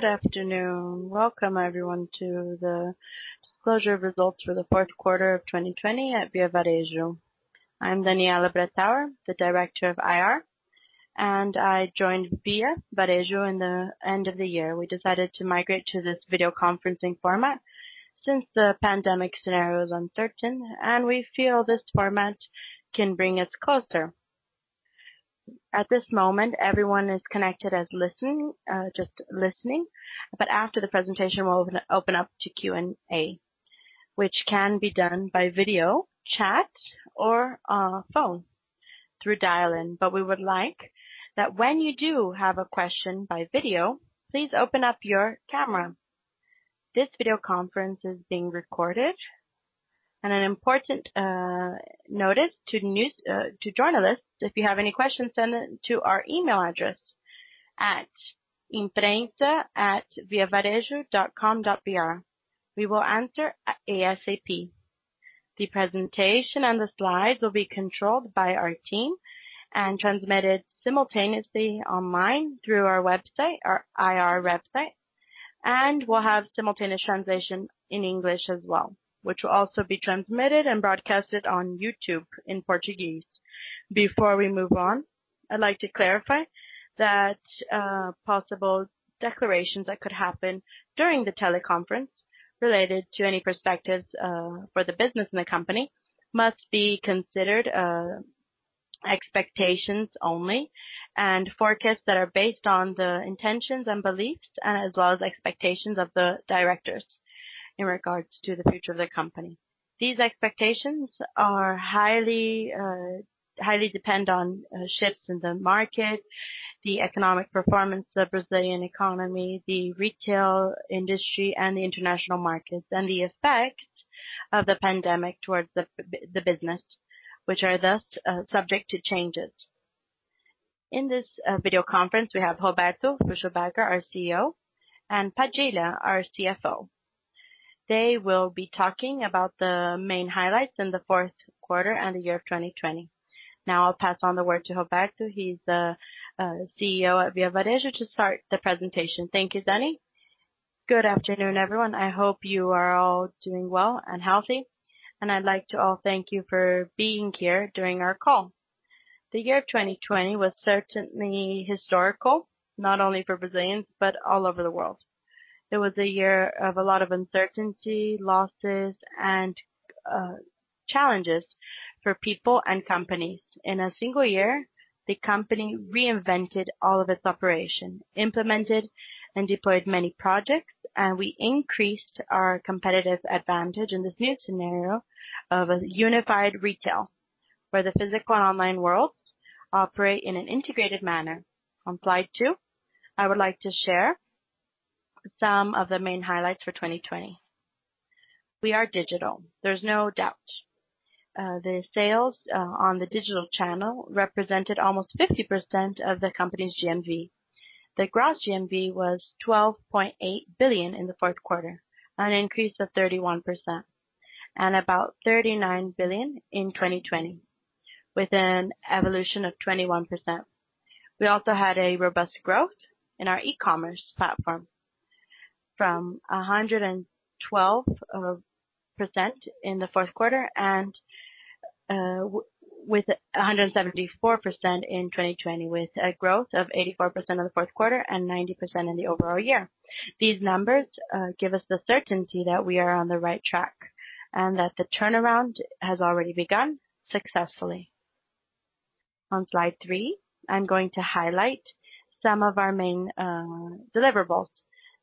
Good afternoon. Welcome, everyone, to the disclosure of results for the fourth quarter of 2020 at Via Varejo. I'm Daniela Bretthauer, the Director of IR. I joined Via Varejo in the end of the year. We decided to migrate to this video conferencing format since the pandemic scenario is uncertain, and we feel this format can bring us closer. At this moment, everyone is connected as just listening. After the presentation, we'll open up to Q&A, which can be done by video, chat, or phone through dial-in. We would like that when you do have a question by video, please open up your camera. This video conference is being recorded. An important notice to journalists, if you have any questions, send them to our email address at imprensa@viavarejo.com.br. We will answer ASAP. The presentation and the slides will be controlled by our team and transmitted simultaneously online through our website, our IR website, and we'll have simultaneous translation in English as well, which will also be transmitted and broadcasted on YouTube in Portuguese. Before we move on, I'd like to clarify that possible declarations that could happen during the teleconference related to any perspectives for the business in the company must be considered expectations only and forecasts that are based on the intentions and beliefs as well as expectations of the directors in regards to the future of the company. These expectations highly depend on shifts in the market, the economic performance of Brazilian economy, the retail industry, and the international markets, and the effect of the pandemic towards the business, which are thus subject to changes. In this video conference, we have Roberto Fulcherberguer, our CEO, and Padilha, our CFO. They will be talking about the main highlights in the fourth quarter and the year of 2020. Now I'll pass on the word to Roberto. He's the CEO at Via Varejo to start the presentation. Thank you, Dani. Good afternoon, everyone. I hope you are all doing well and healthy. I'd like to all thank you for being here during our call. The year 2020 was certainly historical, not only for Brazilians, but all over the world. It was a year of a lot of uncertainty, losses, and challenges for people and companies. In a single year, the company reinvented all of its operation, implemented and deployed many projects, and we increased our competitive advantage in this new scenario of a unified retail where the physical and online world operate in an integrated manner. On slide two, I would like to share some of the main highlights for 2020. We are digital. There's no doubt. The sales on the digital channel represented almost 50% of the company's GMV. The gross GMV was 12.8 billion in the fourth quarter, an increase of 31%, and about 39 billion in 2020 with an evolution of 21%. We also had a robust growth in our e-commerce platform from 112% in the fourth quarter and with 174% in 2020, with a growth of 84% in the fourth quarter and 90% in the overall year. These numbers give us the certainty that we are on the right track and that the turnaround has already begun successfully. On slide three, I'm going to highlight some of our main deliverables.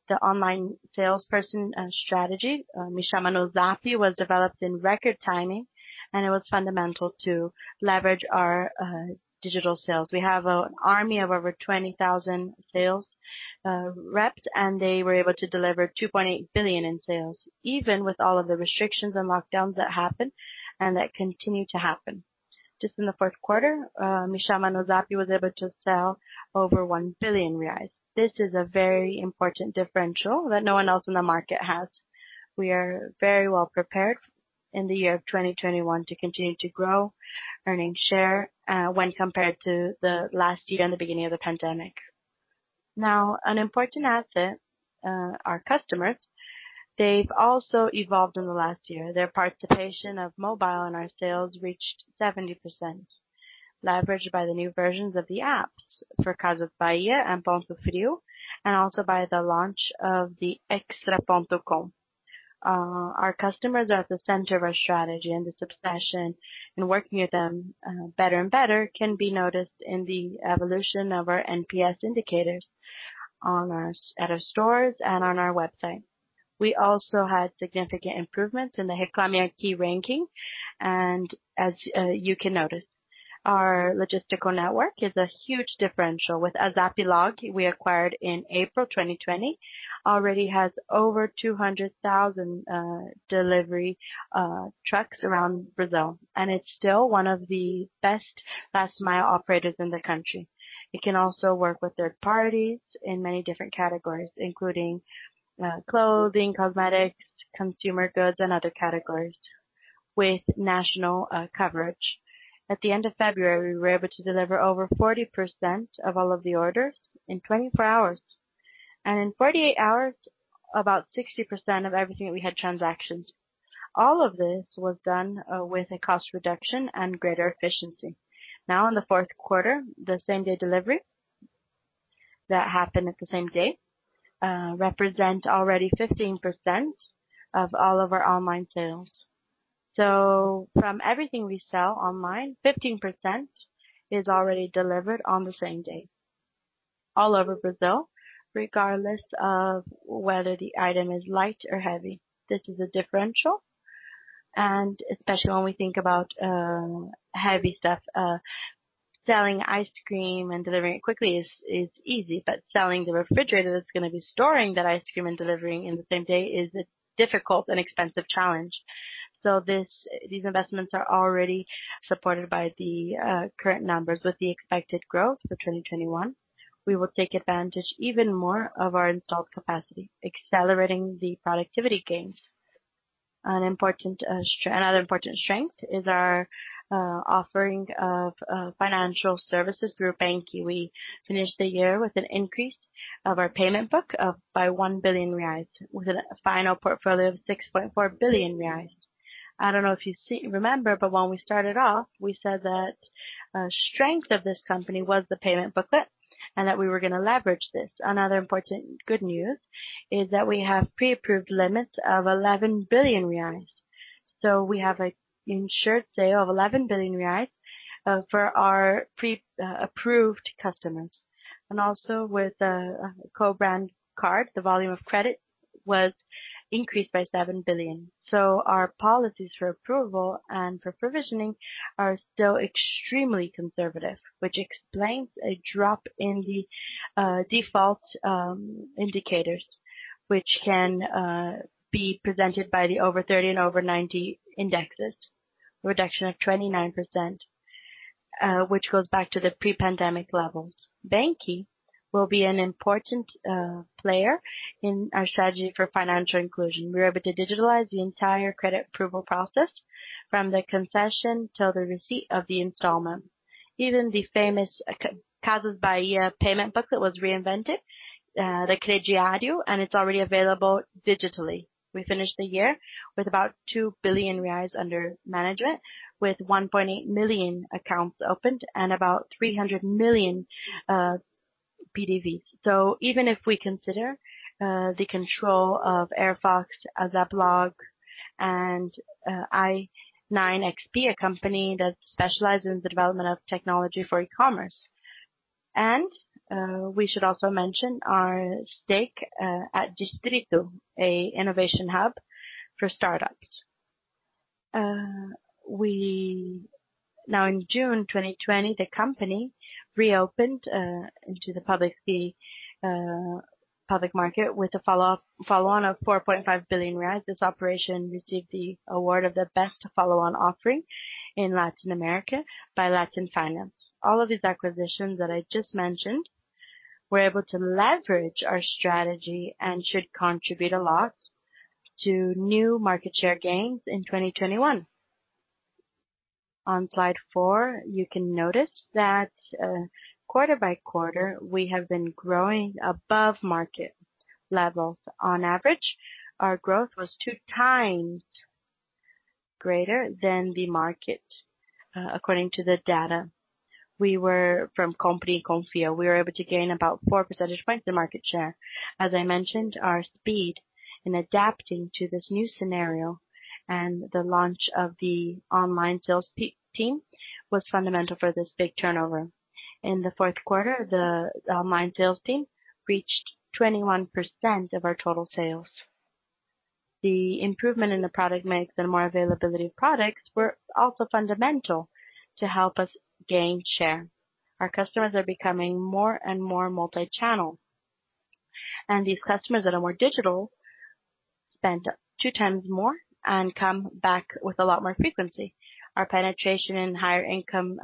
The online salesperson strategy, Me Chama no Zap, was developed in record timing, and it was fundamental to leverage our digital sales. We have an army of over 20,000 sales reps, and they were able to deliver 2.8 billion in sales, even with all of the restrictions and lockdowns that happened and that continue to happen. Just in the fourth quarter, Me Chama no Zap was able to sell over 1 billion reais. This is a very important differential that no one else in the market has. We are very well prepared in the year of 2021 to continue to grow, earning share when compared to the last year and the beginning of the pandemic. An important asset, our customers, they've also evolved in the last year. Their participation of mobile in our sales reached 70%, leveraged by the new versions of the apps for Casas Bahia and Ponto Frio, and also by the launch of the extra.com.br. Our customers are at the center of our strategy, this obsession in working with them better and better can be noticed in the evolution of our NPS indicators at our stores and on our website. We also had significant improvements in the Reclame Aqui ranking. As you can notice, our logistical network is a huge differential. With ASAP Log, we acquired in April 2020, already has over 200,000 delivery trucks around Brazil, and it's still one of the best last mile operators in the country. It can also work with third parties in many different categories, including clothing, cosmetics, consumer goods, and other categories. With national coverage. At the end of February, we were able to deliver over 40% of all of the orders in 24 hours. In 48 hours, about 60% of everything that we had transactions. All of this was done with a cost reduction and greater efficiency. Now, in the fourth quarter, the same day delivery that happened at the same day, represent already 15% of all of our online sales. From everything we sell online, 15% is already delivered on the same day, all over Brazil, regardless of whether the item is light or heavy. This is a differential, and especially when we think about heavy stuff. Selling ice cream and delivering it quickly is easy, but selling the refrigerator that's going to be storing that ice cream and delivering in the same day is a difficult and expensive challenge. These investments are already supported by the current numbers with the expected growth of 2021. We will take advantage even more of our installed capacity, accelerating the productivity gains. Another important strength is our offering of financial services through banQi. We finished the year with an increase of our payment book up by 1 billion reais, with a final portfolio of 6.4 billion reais. I don't know if you remember, when we started off, we said that strength of this company was the payment booklet, and that we were going to leverage this. Another important good news is that we have pre-approved limits of 11 billion reais. We have an insured sale of 11 billion reais for our pre-approved customers. Also with a co-branded card. The volume of credit was increased by 7 billion. Our policies for approval and for provisioning are still extremely conservative, which explains a drop in the default indicators, which can be presented by the over 30 and over 90 indexes. Reduction of 29%, which goes back to the pre-pandemic levels. banQi will be an important player in our strategy for financial inclusion. We were able to digitalize the entire credit approval process from the concession to the receipt of the installment. Even the famous Casas Bahia payment booklet was reinvented, the Crediário, and it's already available digitally. We finished the year with about 2 billion reais under management, with 1.8 million accounts opened and about 300 million TPV. Even if we consider the control of Airfox, ASAP Log, and i9XP, a company that specializes in the development of technology for e-commerce. We should also mention our stake at Distrito, a innovation hub for startups. Now in June 2020, the company reopened into the public market with a follow-on of 4.5 billion reais. This operation received the award of the best follow-on offering in Latin America by LatinFinance. All of these acquisitions that I just mentioned were able to leverage our strategy and should contribute a lot to new market share gains in 2021. On slide four, you can notice that quarter by quarter, we have been growing above market levels. On average, our growth was 2x greater than the market, according to the data from Compre e Confie. We were able to gain about four percentage points in market share. As I mentioned, our speed in adapting to this new scenario and the launch of the online sales team was fundamental for this big turnover. In the fourth quarter, the online sales team reached 21% of our total sales. The improvement in the product mix and more availability of products were also fundamental to help us gain share. Our customers are becoming more and more multi-channel. These customers that are more digital spend 2x more and come back with a lot more frequency. Our penetration in higher income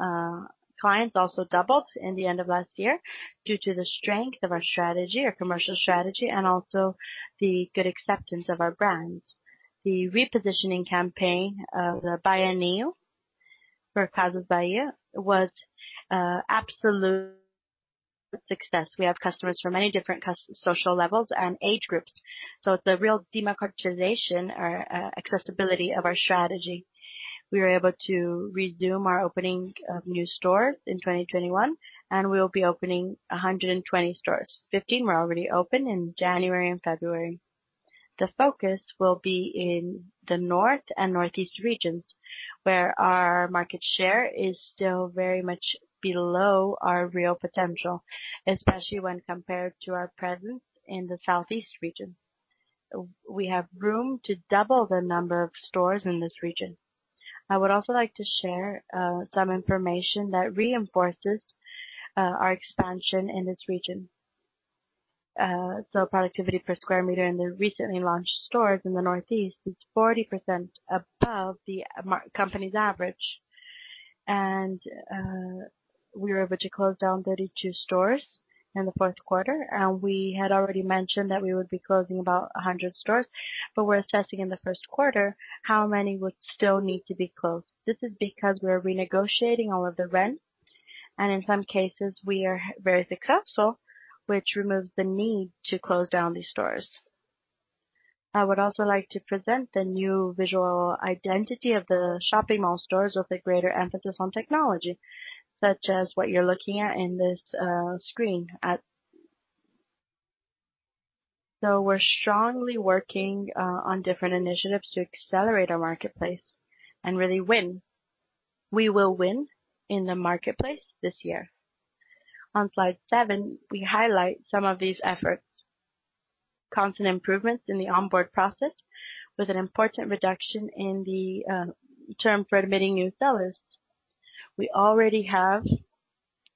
clients also doubled in the end of last year due to the strength of our strategy, our commercial strategy, and also the good acceptance of our brands. The repositioning campaign of the Baianinho for Casas Bahia was absolute success. We have customers from many different social levels and age groups. It's a real democratization or accessibility of our strategy. We were able to resume our opening of new stores in 2021. We will be opening 120 stores. 15 were already open in January and February. The focus will be in the north and northeast regions, where our market share is still very much below our real potential, especially when compared to our presence in the southeast region. We have room to double the number of stores in this region. I would also like to share some information that reinforces our expansion in this region. Productivity per square meter in the recently launched stores in the northeast is 40% above the company's average. We were able to close down 32 stores in the fourth quarter. We had already mentioned that we would be closing about 100 stores, but we're assessing in the first quarter how many would still need to be closed. This is because we're renegotiating all of the rents, and in some cases, we are very successful, which removes the need to close down these stores. I would also like to present the new visual identity of the shopping mall stores with a greater emphasis on technology, such as what you're looking at in this screen. We're strongly working on different initiatives to accelerate our marketplace and really win. We will win in the marketplace this year. On slide seven, we highlight some of these efforts. Constant improvements in the onboard process with an important reduction in the term for admitting new sellers. We already have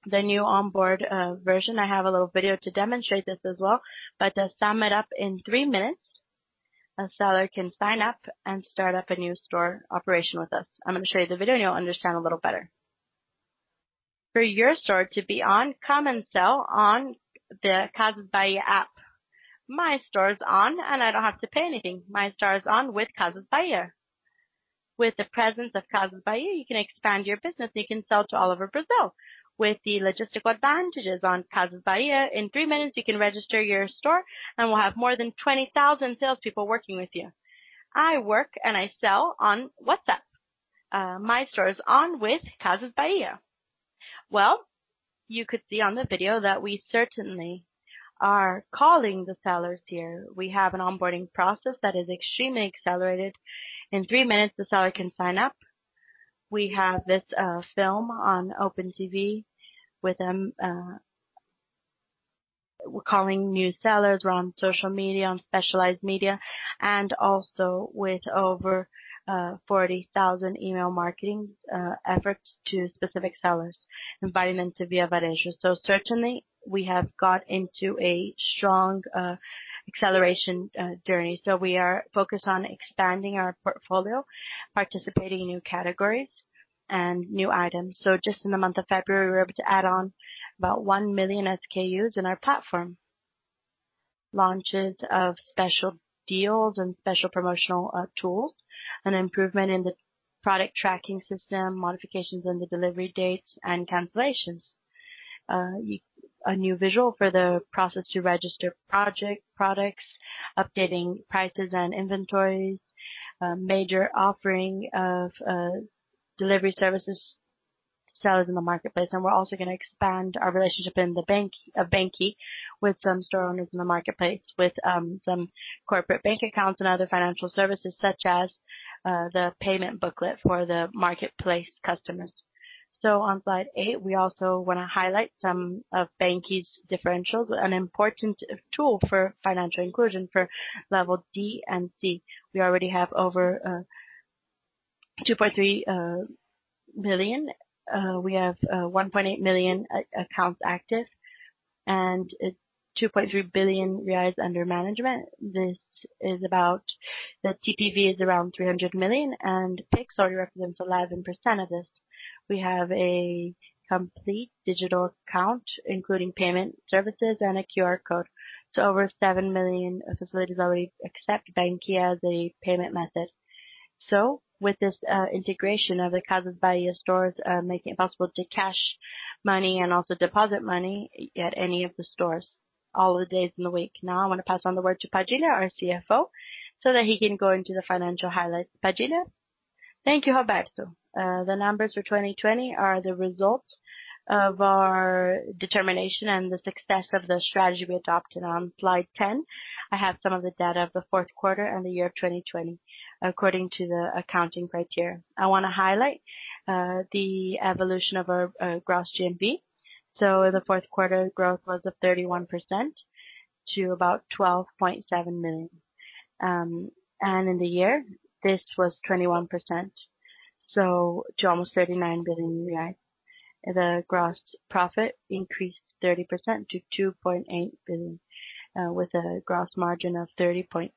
the new onboard version. I have a little video to demonstrate this as well, but to sum it up in three minutes, a seller can sign up and start up a new store operation with us. I'm going to show you the video, and you'll understand a little better. For your store to be on, come and sell on the Casas Bahia app. My store is on, and I don't have to pay anything. My store is on with Casas Bahia. With the presence of Casas Bahia, you can expand your business, and you can sell to all over Brazil. With the logistical advantages on Casas Bahia, in three minutes, you can register your store, and we'll have more than 20,000 salespeople working with you. I work and I sell on WhatsApp. My store is on with Casas Bahia. Well, you could see on the video that we certainly are calling the sellers here. We have an onboarding process that is extremely accelerated. In three minutes, the seller can sign up. We have this film on open TV with them. We're calling new sellers. We're on social media, on specialized media, and also with over 40,000 email marketing efforts to specific sellers, inviting them to Via Varejo. Certainly, we have got into a strong acceleration journey. We are focused on expanding our portfolio, participating in new categories and new items. Just in the month of February, we were able to add on about 1 million SKUs in our platform. Launches of special deals and special promotional tools, an improvement in the product tracking system, modifications in the delivery dates and cancellations. A new visual for the process to register products, updating prices and inventories, a major offering of delivery services sellers in the marketplace. We're also going to expand our relationship in the banQi with some store owners in the marketplace with some corporate bank accounts and other financial services such as the payment booklet for the marketplace customers. On slide eight, we also want to highlight some of banQi's differentials, an important tool for financial inclusion for level D and C. We already have over 2.3 billion. We have 1.8 million accounts active and BRL 2.3 billion under management. The TPV is around 300 million and Pix only represents 11% of this. We have a complete digital account, including payment services and a QR code to over 7 million associates already accept banQi as a payment method. With this integration of the Casas Bahia stores, making it possible to cash money and also deposit money at any of the stores all the days in the week. Now I want to pass on the word to Padilha, our CFO, so that he can go into the financial highlights. Padilha. Thank you, Roberto. The numbers for 2020 are the result of our determination and the success of the strategy we adopted. On slide 10, I have some of the data of the fourth quarter and the year 2020 according to the accounting criteria. I want to highlight the evolution of our gross GMV. The fourth quarter growth was of 31% to about 12.7 million. In the year, this was 21%, to almost 39 billion reais. The gross profit increased 30% to 2.8 billion, with a gross margin of 30.5%.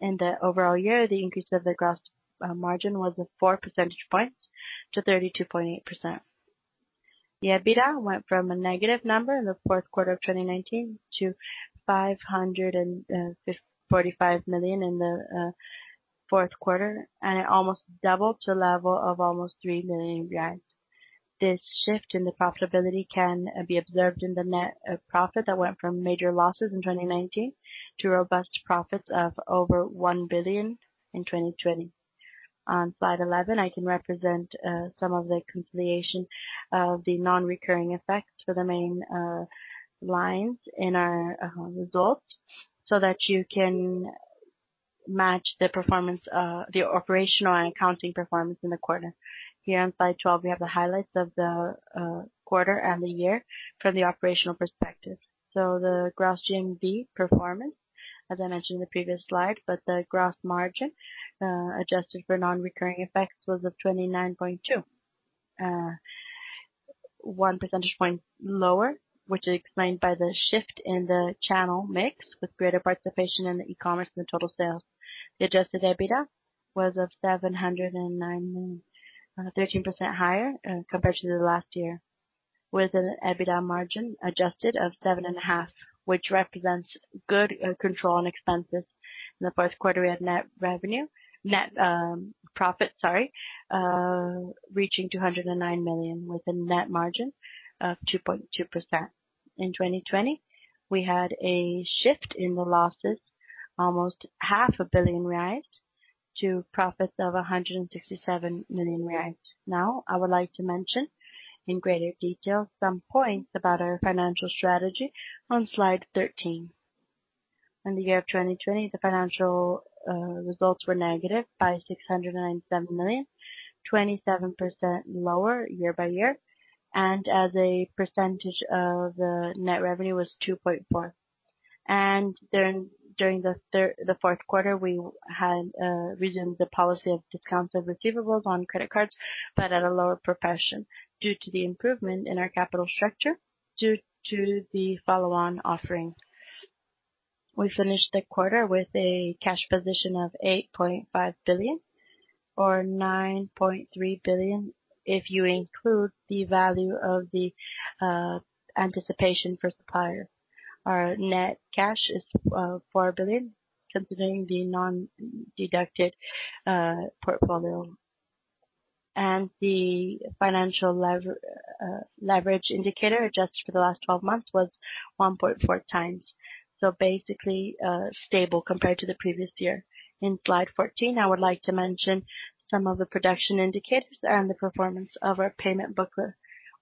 In the overall year, the increase of the gross margin was four percentage points to 32.8%. The EBITDA went from a negative number in the fourth quarter of 2019 to 545 million in the fourth quarter, and it almost doubled to a level of almost 3 billion reais. This shift in the profitability can be observed in the net profit that went from major losses in 2019 to robust profits of over 1 billion in 2020. On slide 11, I can represent some of the conciliation of the non-recurring effects for the main lines in our results so that you can match the operational and accounting performance in the quarter. Here on slide 12, we have the highlights of the quarter and the year from the operational perspective. The gross GMV performance, as I mentioned in the previous slide, but the gross margin, adjusted for non-recurring effects, was of 29.2%, one percentage point lower, which is explained by the shift in the channel mix with greater participation in the e-commerce and the total sales. The adjusted EBITDA was of 709, 13% higher compared to the last year, with an EBITDA margin adjusted of seven and a half, which represents good control on expenses. In the fourth quarter, we had net profit reaching 209 million, with a net margin of 2.2%. In 2020, we had a shift in the losses. Almost 500 million reais to profits of 167 million reais. I would like to mention, in greater detail, some points about our financial strategy on slide 13. In the year of 2020, the financial results were negative by 697 million, 27% lower year-over-year, as a percentage of the net revenue was 2.4%. During the fourth quarter, we had resumed the policy of discounts of receivables on credit cards, but at a lower proportion due to the improvement in our capital structure due to the follow-on offering. We finished the quarter with a cash position of 8.5 billion or 9.3 billion if you include the value of the anticipation for supplier. Our net cash is 4 billion, considering the non-deducted portfolio. The financial leverage indicator, adjusted for the last 12 months, was 1.4x. Basically, stable compared to the previous year. In slide 14, I would like to mention some of the production indicators and the performance of our Crediário.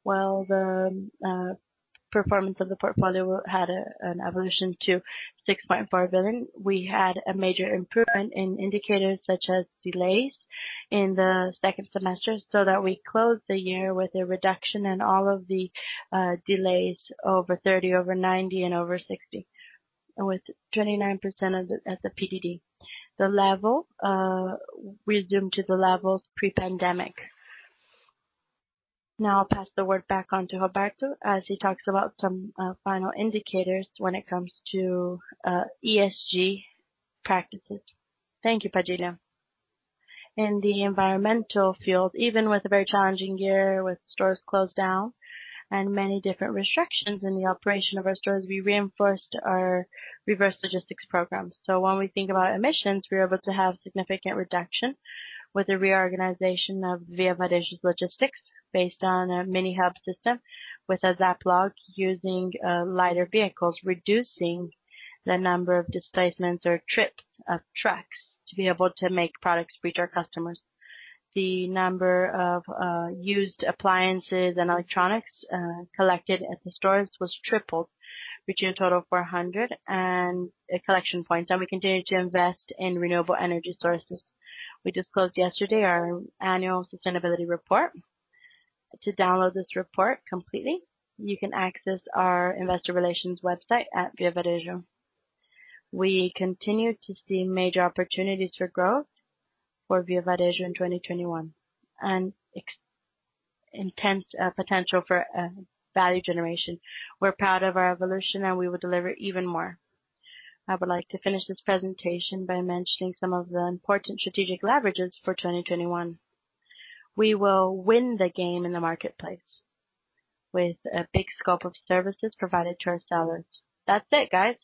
While the performance of the portfolio had an evolution to 6.4 billion, we had a major improvement in indicators such as delays in the second semester, so that we closed the year with a reduction in all of the delays over 30, over 90, and over 60, with 29% as a PDD. The level resumed to the level pre-pandemic. I'll pass the word back on to Roberto as he talks about some final indicators when it comes to ESG practices. Thank you, Padilha. In the environmental field, even with a very challenging year with stores closed down and many different restrictions in the operation of our stores, we reinforced our reverse logistics program. When we think about emissions, we were able to have significant reduction with the reorganization of Grupo Casas Bahia's logistics based on a mini hub system with ASAP Log using lighter vehicles, reducing the number of displacements or trips of trucks to be able to make products reach our customers. The number of used appliances and electronics collected at the stores was tripled, reaching a total of 400 and a collection point. We continue to invest in renewable energy sources. We just closed yesterday our annual sustainability report. To download this report completely, you can access our investor relations website at Grupo Casas Bahia. We continue to see major opportunities for growth for Grupo Casas Bahia in 2021 and intense potential for value generation. We're proud of our evolution, and we will deliver even more. I would like to finish this presentation by mentioning some of the important strategic leverages for 2021. We will win the game in the marketplace with a big scope of services provided to our sellers. That's it, guys.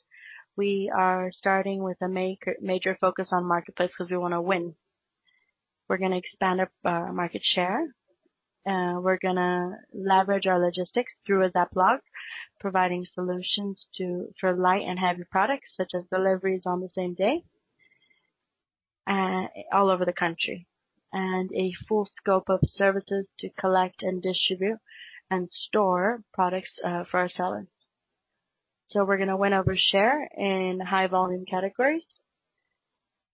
We are starting with a major focus on marketplace because we want to win. We're going to expand our market share. We're going to leverage our logistics through ASAP Log, providing solutions for light and heavy products, such as deliveries on the same day all over the country. A full scope of services to collect and distribute and store products for our sellers. We're going to win over share in high volume categories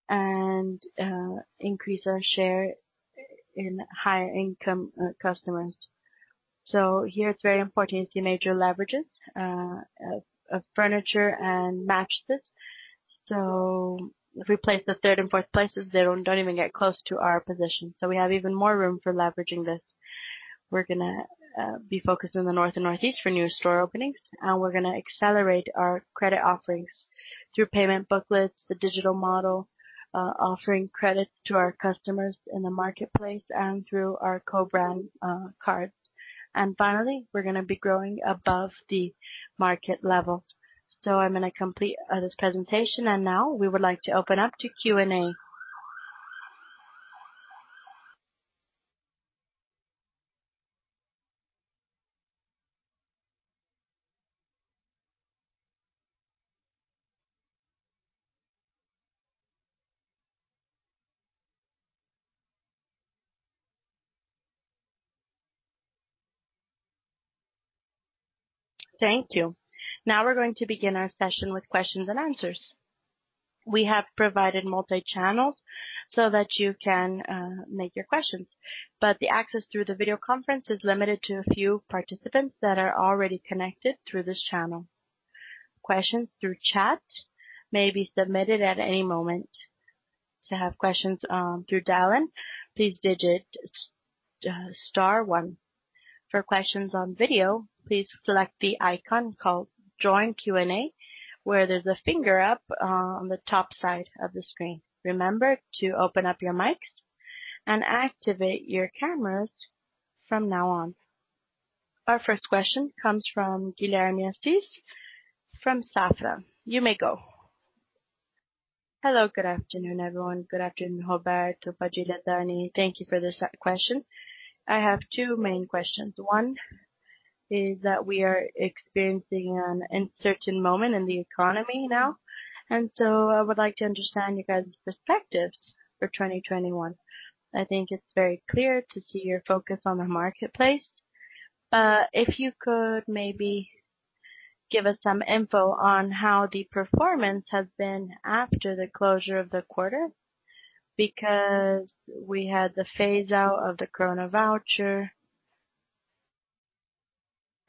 and increase our share in higher income customers. Here it's very important to see major leverages of furniture and mattresses. If we place the third and fourth places, they don't even get close to our position. We have even more room for leveraging this. We're going to be focused in the North and Northeast for new store openings, and we're going to accelerate our credit offerings through payment booklets, the digital model, offering credits to our customers in the marketplace and through our co-branded cards. Finally, we're going to be growing above the market level. I'm going to complete this presentation, and now we would like to open up to Q&A. Thank you. Now we're going to begin our session with questions and answers. We have provided multi-channels so that you can make your questions. The access through the video conference is limited to a few participants that are already connected through this channel. Questions through chat may be submitted at any moment. To have questions through dial-in, please dial star one. For questions on video, please select the icon called Join Q&A, where there's a finger up on the top side of the screen. Remember to open up your mics and activate your cameras from now on. Our first question comes from Guilherme Assis from Safra. You may go. Hello. Good afternoon, everyone. Good afternoon, Roberto, Padilha, Dani. Thank you for this question. I have two main questions. One is that we are experiencing an uncertain moment in the economy now. I would like to understand your guys' perspectives for 2021. I think it's very clear to see your focus on the marketplace. If you could maybe give us some info on how the performance has been after the closure of the quarter, because we had the phase out of the Coronavoucher,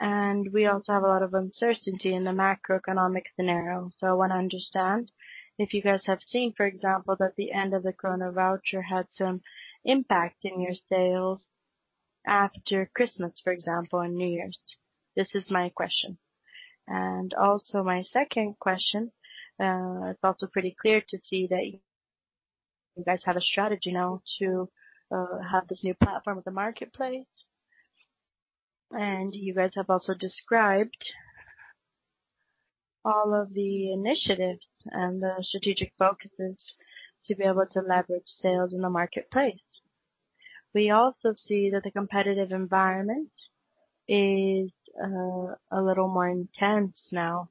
and we also have a lot of uncertainty in the macroeconomic scenario. I want to understand if you guys have seen, for example, that the end of the Coronavoucher had some impact in your sales after Christmas, for example, and New Year's. This is my question. Also my second question. It's also pretty clear to see that you guys have a strategy now to have this new platform of the marketplace. You guys have also described all of the initiatives and the strategic focuses to be able to leverage sales in the marketplace. We also see that the competitive environment is a little more intense now.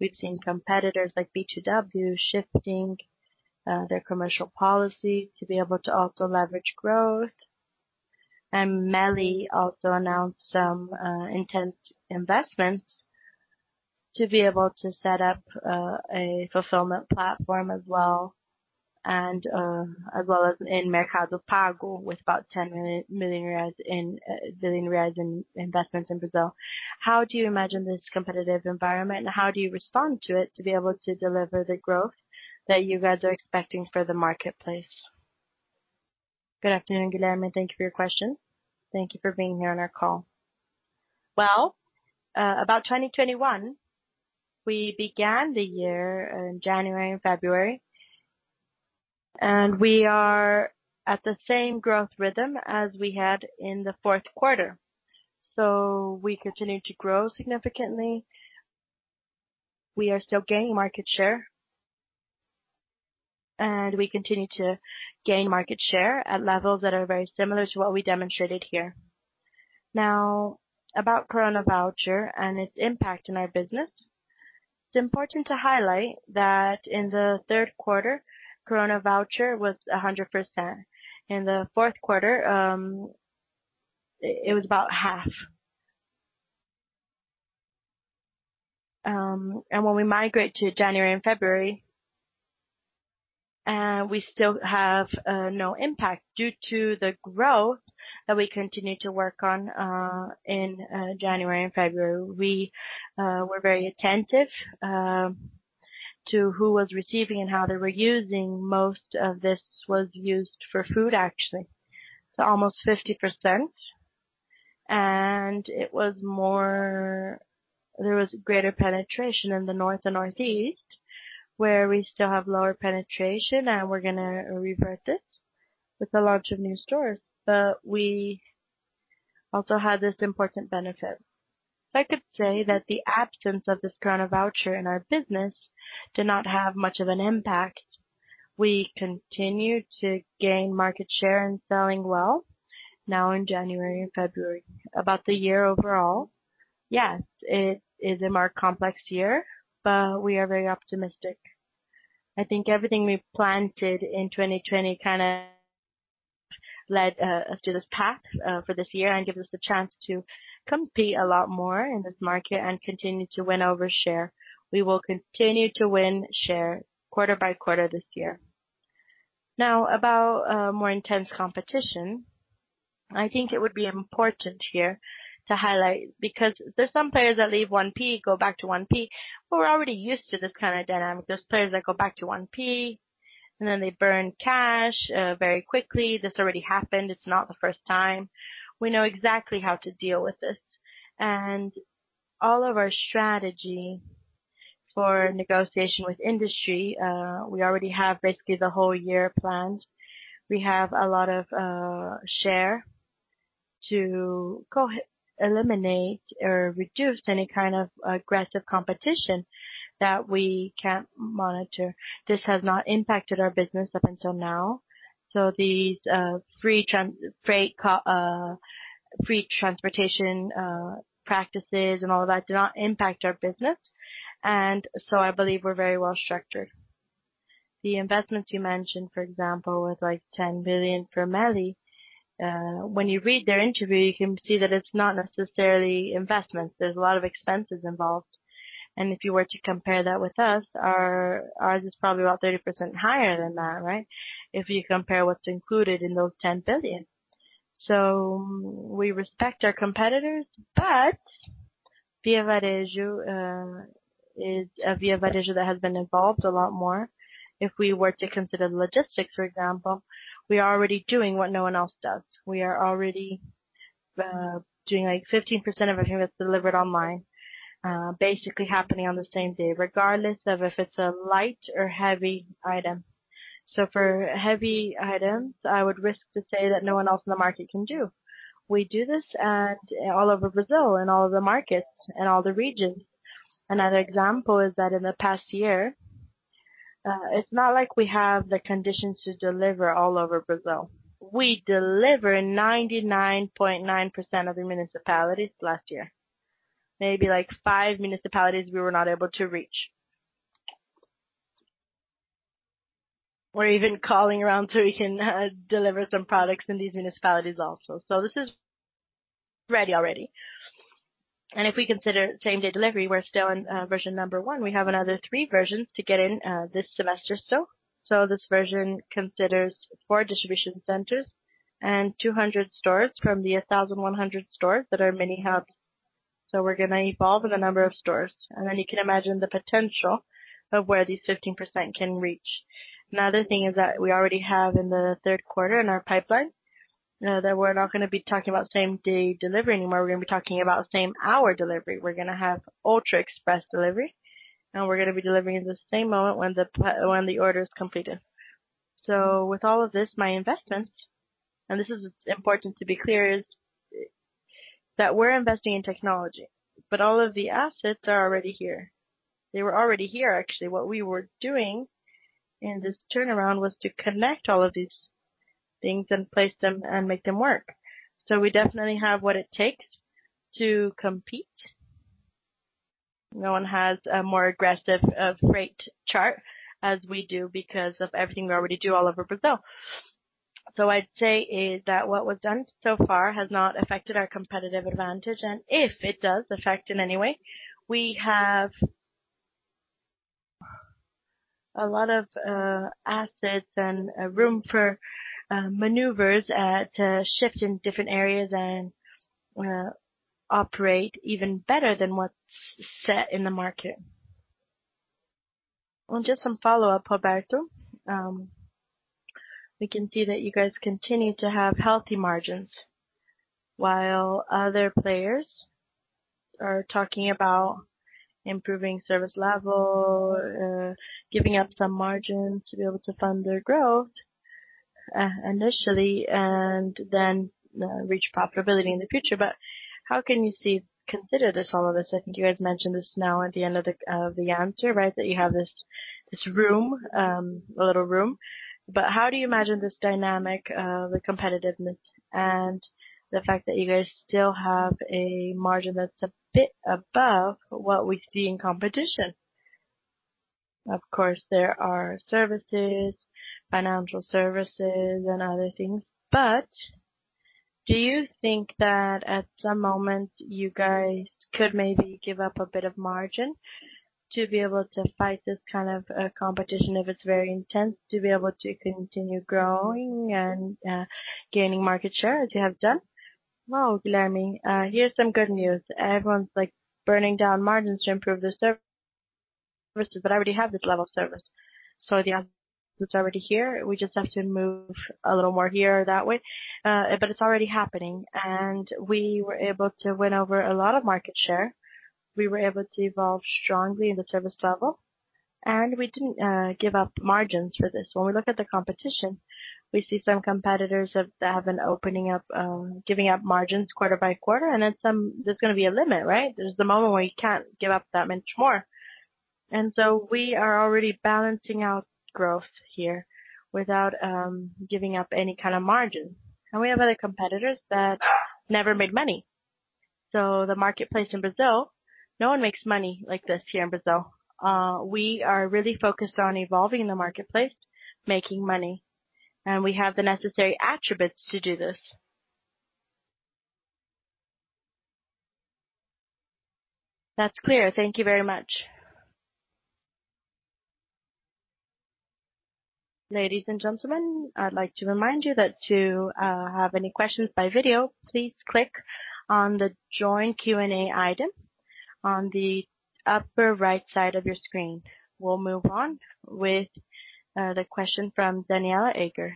We've seen competitors like B2W shifting their commercial policy to be able to also leverage growth. MELI also announced some intense investments to be able to set up a fulfillment platform as well, and as well as in Mercado Pago, with about 10 billion reais in investments in Brazil. How do you imagine this competitive environment, and how do you respond to it to be able to deliver the growth that you guys are expecting for the marketplace? Good afternoon, Guilherme. Thank you for your question. Thank you for being here on our call. Well, about 2021, we began the year in January and February, and we are at the same growth rhythm as we had in the fourth quarter. We continue to grow significantly. We are still gaining market share. We continue to gain market share at levels that are very similar to what we demonstrated here. About Coronavoucher and its impact in our business. It's important to highlight that in the third quarter, Coronavoucher was 100%. In the fourth quarter, it was about half. When we migrate to January and February, we still have no impact due to the growth that we continue to work on in January and February. We were very attentive to who was receiving and how they were using. Most of this was used for food, actually. Almost 50%. There was greater penetration in the north and northeast, where we still have lower penetration, and we're going to revert this with the launch of new stores. We also had this important benefit. I could say that the absence of this Coronavoucher in our business did not have much of an impact. We continued to gain market share and selling well now in January and February. About the year overall. Yes, it is a more complex year, but we are very optimistic. I think everything we've planted in 2020 kind of led us to this path for this year and gives us a chance to compete a lot more in this market and continue to win over share. We will continue to win share quarter by quarter this year. Now, about more intense competition. I think it would be important here to highlight, because there's some players that leave 1P, go back to 1P. We're already used to this kind of dynamic. There's players that go back to 1P, and then they burn cash very quickly. This already happened. It's not the first time. We know exactly how to deal with this. All of our strategy for negotiation with industry, we already have basically the whole year planned. We have a lot of share to eliminate or reduce any kind of aggressive competition that we can't monitor. This has not impacted our business up until now. These free transportation practices and all of that do not impact our business. I believe we're very well structured. The investments you mentioned, for example, was like 10 billion for MELI. When you read their interview, you can see that it's not necessarily investments. There's a lot of expenses involved. If you were to compare that with us, ours is probably about 30% higher than that, right? If you compare what's included in those 10 billion. We respect our competitors, but Via Varejo is a Via Varejo that has been involved a lot more. If we were to consider logistics, for example, we are already doing what no one else does. We are already doing 15% of everything that's delivered online, basically happening on the same day, regardless of if it's a light or heavy item. For heavy items, I would risk to say that no one else in the market can do. We do this all over Brazil and all of the markets and all the regions. Another example is that in the past year, it's not like we have the conditions to deliver all over Brazil. We delivered 99.9% of the municipalities last year. Maybe five municipalities we were not able to reach. We're even calling around so we can deliver some products in these municipalities also. This is ready already. If we consider same-day delivery, we're still on version number one. We have another three versions to get in this semester still. This version considers four distribution centers and 200 stores from the 1,100 stores that are mini hubs. We're going to evolve in the number of stores. You can imagine the potential of where these 15% can reach. Another thing is that we already have in the third quarter in our pipeline, that we're not going to be talking about same-day delivery anymore. We're going to be talking about same-hour delivery. We're going to have ultra-express delivery, and we're going to be delivering at the same moment when the order is completed. With all of this, my investments, and this is important to be clear, is that we're investing in technology, but all of the assets are already here. They were already here, actually. What we were doing in this turnaround was to connect all of these things and place them and make them work. We definitely have what it takes to compete. No one has a more aggressive rate chart as we do because of everything we already do all over Brazil. I'd say is that what was done so far has not affected our competitive advantage. If it does affect in any way, we have a lot of assets and room for maneuvers to shift in different areas and operate even better than what's set in the market. Just some follow-up, Roberto. We can see that you guys continue to have healthy margins, while other players are talking about improving service level, giving up some margin to be able to fund their growth initially, and then reach profitability in the future. How can you consider all of this? I think you guys mentioned this now at the end of the answer, that you have this room, a little room. How do you imagine this dynamic of the competitiveness and the fact that you guys still have a margin that's a bit above what we see in competition? Of course, there are services, financial services, and other things. Do you think that at some moment you guys could maybe give up a bit of margin to be able to fight this kind of competition if it's very intense, to be able to continue growing and gaining market share as you have done? Wow, Guilherme. Here's some good news. Everyone's burning down margins to improve their services, but I already have this level of service. The answer is already here. We just have to move a little more here or that way. It's already happening, and we were able to win over a lot of market share. We were able to evolve strongly in the service level, and we didn't give up margins for this. When we look at the competition, we see some competitors that have been giving up margins quarter by quarter, and there's going to be a limit, right? There's the moment where you can't give up that much more. We are already balancing out growth here without giving up any kind of margin. We have other competitors that never made money. The marketplace in Brazil, no one makes money like this here in Brazil. We are really focused on evolving the marketplace, making money, and we have the necessary attributes to do this. That's clear. Thank you very much. Ladies and gentlemen, I'd like to remind you that to have any questions by video, please click on the Join Q&A item on the upper right side of your screen. We'll move on with the question from Danniela Eiger.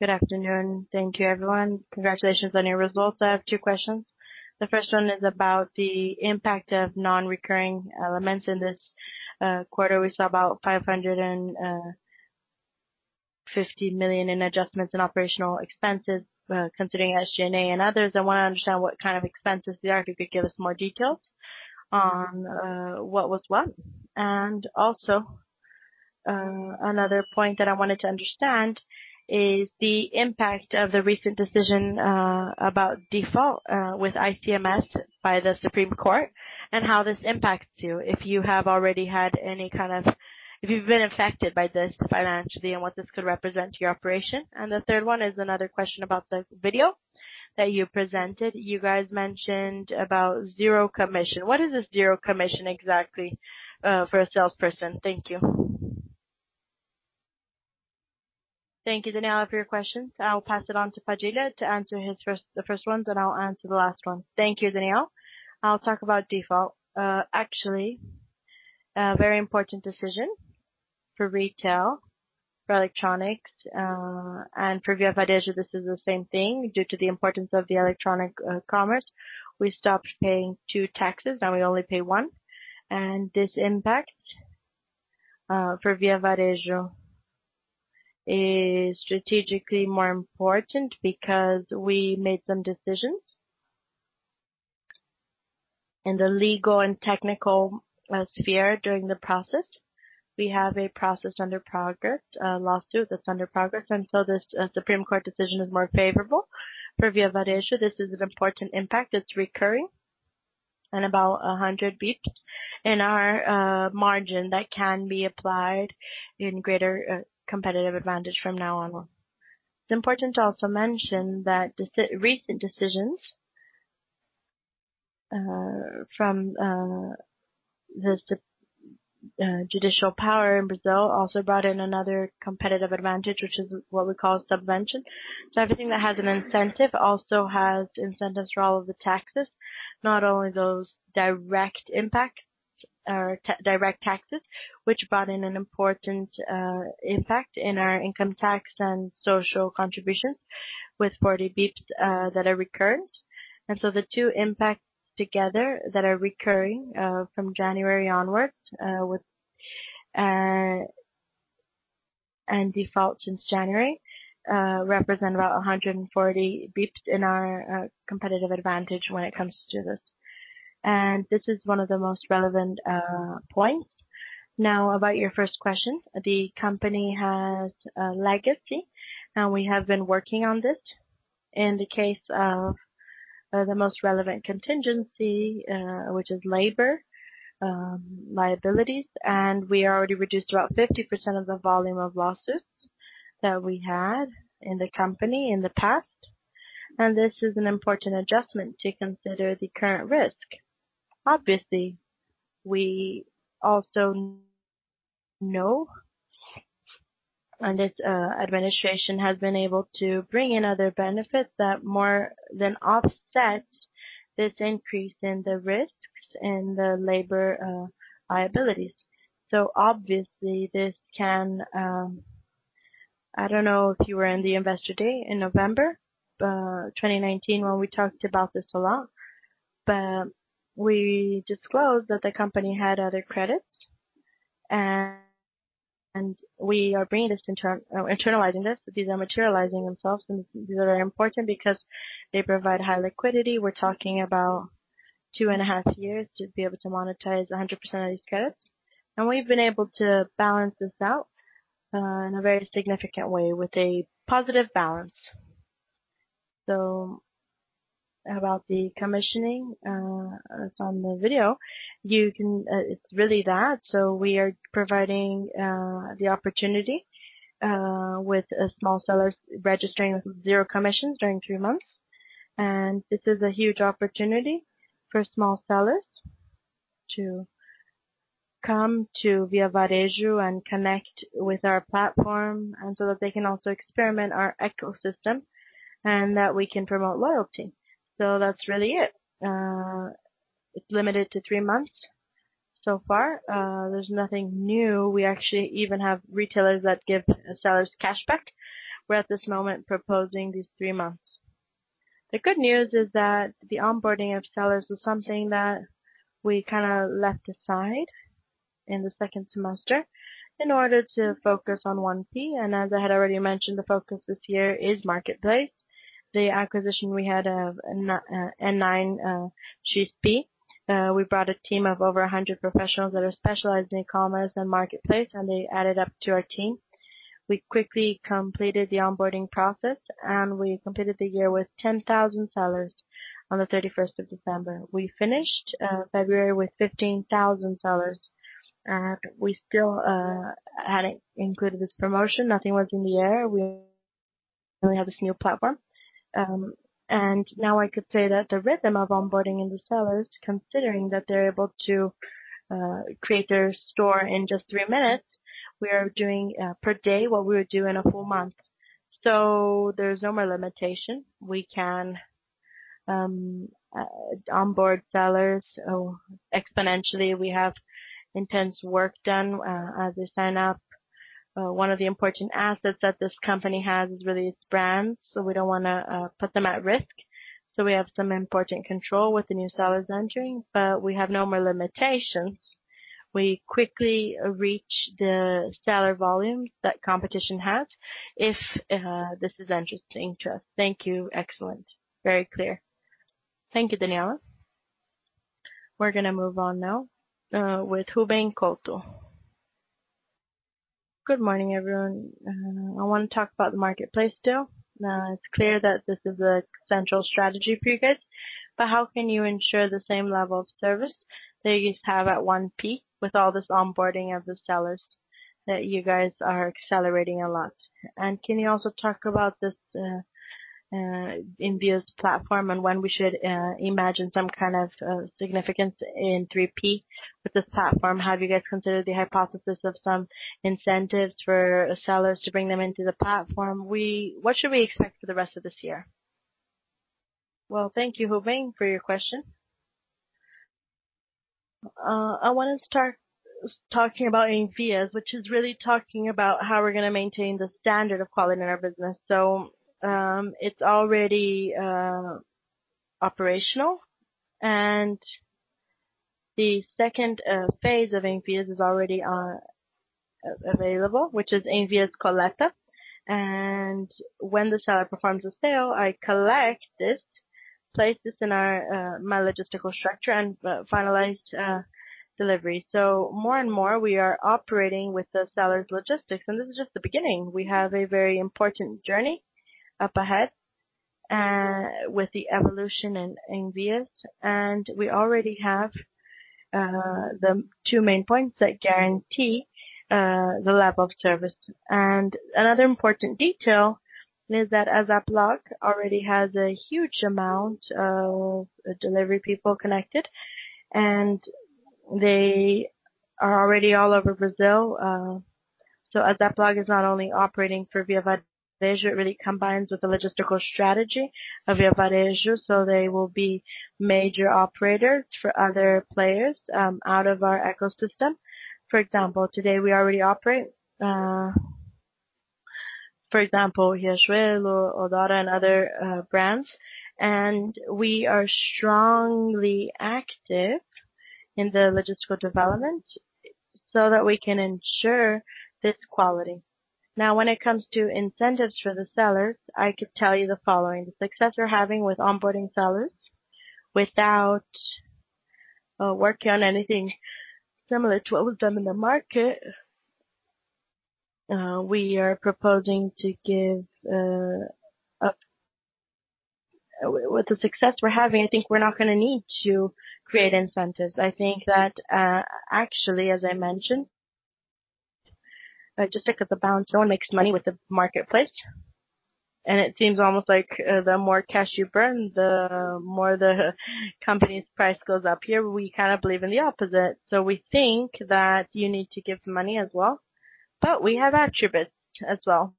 Good afternoon. Thank you, everyone. Congratulations on your results. I have two questions. The first one is about the impact of non-recurring elements in this quarter. We saw about 550 million in adjustments in operational expenses, considering SG&A and others. I want to understand what kind of expenses they are. If you could give us more details on what was what. Also, another point that I wanted to understand is the impact of the recent decision about default with ICMS by the Supreme Court and how this impacts you. If you've been affected by this financially and what this could represent to your operation. The third one is another question about the video that you presented. You guys mentioned about zero commission. What is this zero commission exactly for a salesperson? Thank you. Thank you, Danniela, for your questions. I'll pass it on to Padilha to answer the first one, then I'll answer the last one. Thank you, Danniela. I'll talk about default. Actually, a very important decision for retail, for electronics. For Via Varejo, this is the same thing. Due to the importance of the electronic commerce, we stopped paying two taxes. Now we only pay one. This impact for Via Varejo is strategically more important because we made some decisions in the legal and technical sphere during the process. We have a process under progress, a lawsuit that's under progress, the Supreme Court decision is more favorable for Via Varejo. This is an important impact. It's recurring and about 100 basis points in our margin that can be applied in greater competitive advantage from now onward. It's important to also mention that recent decisions from the judicial power in Brazil also brought in another competitive advantage, which is what we call subvention. Everything that has an incentive also has incentives for all of the taxes. Not only those direct impact or direct taxes, which brought in an important impact in our income tax and social contributions with 40 basis points that are recurring. The two impacts together that are recurring from January onwards and default since January represent about 140 basis points in our competitive advantage when it comes to this. This is one of the most relevant points. About your first question. The company has a legacy. We have been working on this. In the case of the most relevant contingency, which is labor liabilities. We already reduced about 50% of the volume of losses that we had in the company in the past. This is an important adjustment to consider the current risk. Obviously, we also know, and this administration has been able to bring in other benefits that more than offset this increase in the risks and the labor liabilities. I don't know if you were in the Investor Day in November 2019 when we talked about this a lot, but we disclosed that the company had other credits and we are internalizing this. These are materializing themselves and these are very important because they provide high liquidity. We're talking about two and a half years to be able to monetize 100% of these credits. And we've been able to balance this out in a very significant way with a positive balance. About the commissioning from Via Varejo. It's really that. We are providing the opportunity with small sellers registering with zero commissions during three months. This is a huge opportunity for small sellers to come to Via Varejo and connect with our platform, so that they can also experiment our ecosystem and that we can promote loyalty. That's really it. It's limited to three months so far. There's nothing new. We actually even have retailers that give sellers cashback. We're at this moment proposing these three months. The good news is that the onboarding of sellers was something that we kind of left aside in the second semester in order to focus on 1P. As I had already mentioned, the focus this year is marketplace. The acquisition we had of i9XP, [Chief B]. We brought a team of over 100 professionals that are specialized in e-commerce and marketplace, and they added up to our team. We quickly completed the onboarding process and we completed the year with 10,000 sellers on the December 31st. We finished February with 15,000 sellers. We still hadn't included this promotion. Nothing was in the air. We only have this new platform. Now I could say that the rhythm of onboarding the new sellers, considering that they're able to create their store in just three minutes, we are doing per day what we would do in a full month. There's no more limitation. We can onboard sellers exponentially. We have intense work done as they sign up. One of the important assets that this company has is really its brands. We don't want to put them at risk. We have some important control with the new sellers entering, but we have no more limitations. We quickly reach the seller volumes that competition has if this is interesting to us.. Thank you. Excellent. Very clear. Thank you, Danniela. We're going to move on now with Ruben Couto. Good morning, everyone. I want to talk about the marketplace still. It's clear that this is a central strategy for you guys. How can you ensure the same level of service that you have at 1P with all this onboarding of the sellers that you guys are accelerating a lot? Can you also talk about this in Via's platform and when we should imagine some kind of significance in 3P with this platform? Have you guys considered the hypothesis of some incentives for sellers to bring them into the platform? What should we expect for the rest of this year? Well, thank you, Ruben, for your question. I want to start talking about Envvias, which is really talking about how we're going to maintain the standard of quality in our business. It's already operational, and the phase II of Envvias is already available, which is Envvias Coleta. When the seller performs a sale, I collect this, place this in my logistical structure, and finalize delivery. More and more, we are operating with the seller's logistics, and this is just the beginning. We have a very important journey up ahead with the evolution in Envvias, and we already have the two main points that guarantee the level of service. Another important detail is that as ASAP Log already has a huge amount of delivery people connected, they are already all over Brazil. As ASAP Log is not only operating for Via Varejo, it really combines with the logistical strategy of Via Varejo. They will be major operators for other players out of our ecosystem. For example, today we already operate, for example, Riachuelo, O Boticário, and other brands. We are strongly active in the logistical development so that we can ensure this quality. Now, when it comes to incentives for the sellers, I could tell you the following. The success we're having with onboarding sellers without working on anything similar to what was done in the market. With the success we're having, I think we're not going to need to create incentives. I think that actually, as I mentioned, logistic is a balance. No one makes money with the marketplace. It seems almost like the more cash you burn, the more the company's price goes up. Here we believe in the opposite. We think that you need to give money as well, but we have attributes as well.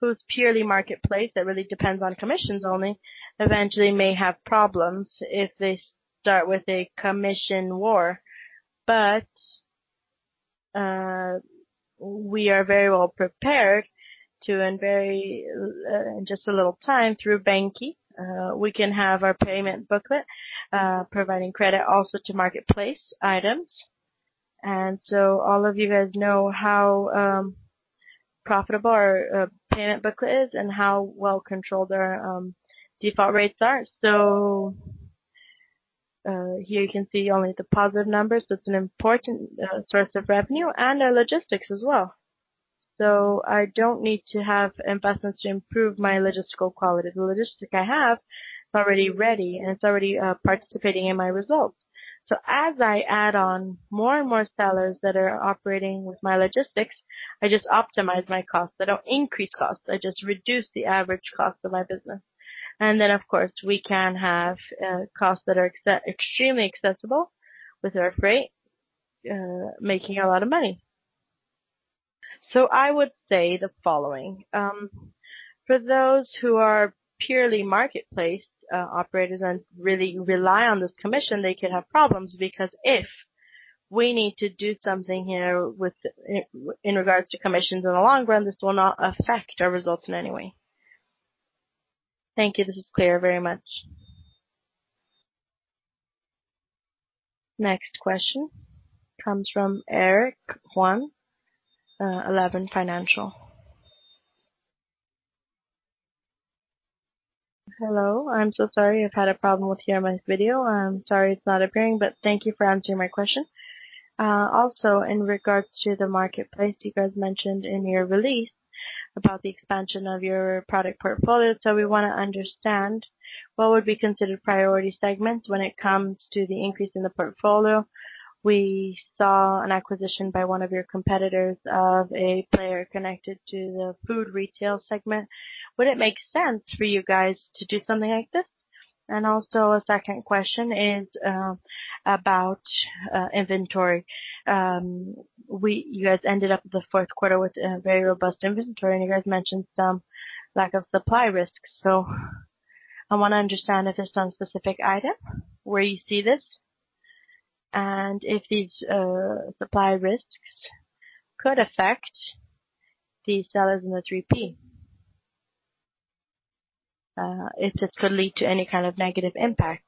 Who's purely marketplace, that really depends on commissions only, eventually may have problems if they start with a commission war. We are very well prepared to, in just a little time through banQi, we can have our payment booklet providing credit also to marketplace items. All of you guys know how profitable our payment booklet is and how well controlled our default rates are. Here you can see only the positive numbers. That's an important source of revenue and our logistics as well. I don't need to have investments to improve my logistical quality. The logistic I have is already ready, and it's already participating in my results. As I add on more and more sellers that are operating with my logistics, I just optimize my costs. I don't increase costs. I just reduce the average cost of my business. Of course, we can have costs that are extremely accessible with our freight, making a lot of money. I would say the following. For those who are purely marketplace operators and really rely on this commission, they could have problems, because if we need to do something here in regards to commissions in the long run, this will not affect our results in any way. Thank you. This is clear, very much. Next question comes from Eric Huang, Eleven Financial. Hello. I'm so sorry. I've had a problem with Tiago's video. I'm sorry it's not appearing, but thank you for answering my question. In regards to the marketplace, you guys mentioned in your release about the expansion of your product portfolio. We want to understand what would be considered priority segments when it comes to the increase in the portfolio. We saw an acquisition by one of your competitors of a player connected to the food retail segment. Would it make sense for you guys to do something like this? A second question is about inventory. You guys ended up the fourth quarter with a very robust inventory, and you guys mentioned some lack of supply risks. I want to understand if there's some specific item where you see this and if these supply risks could affect the sellers in the 3P. If this could lead to any kind of negative impact.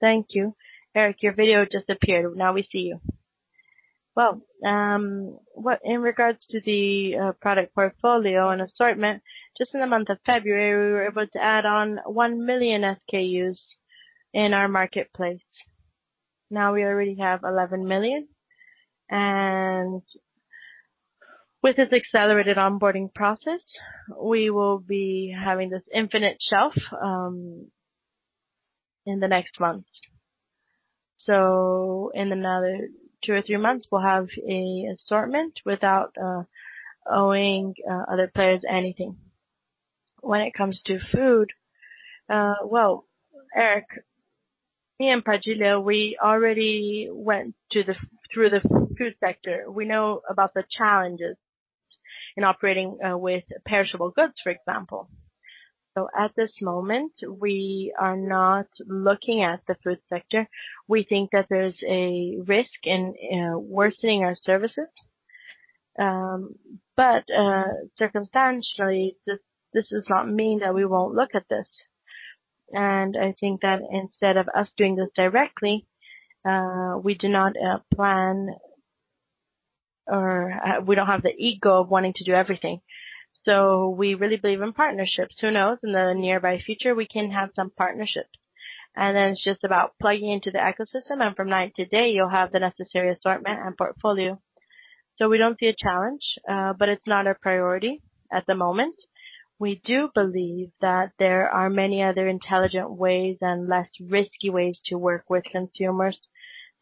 Thank you. Eric, your video disappeared. Now we see you. Well, in regards to the product portfolio and assortment, just in the month of February, we were able to add on 1 million SKUs in our marketplace. Now we already have 11 million. With this accelerated onboarding process, we will be having this infinite shelf in the next month. In another two or three months, we'll have an assortment without owing other players anything. When it comes to food, well, Eric, me and Padilha, we already went through the food sector. We know about the challenges in operating with perishable goods, for example. At this moment, we are not looking at the food sector. We think that there's a risk in worsening our services. Circumstantially, this does not mean that we won't look at this. I think that instead of us doing this directly, we do not plan or we don't have the ego of wanting to do everything. We really believe in partnerships. Who knows, in the nearby future, we can have some partnerships. It's just about plugging into the ecosystem, and from night to day, you'll have the necessary assortment and portfolio. We don't see a challenge, but it's not our priority at the moment. We do believe that there are many other intelligent ways and less risky ways to work with consumers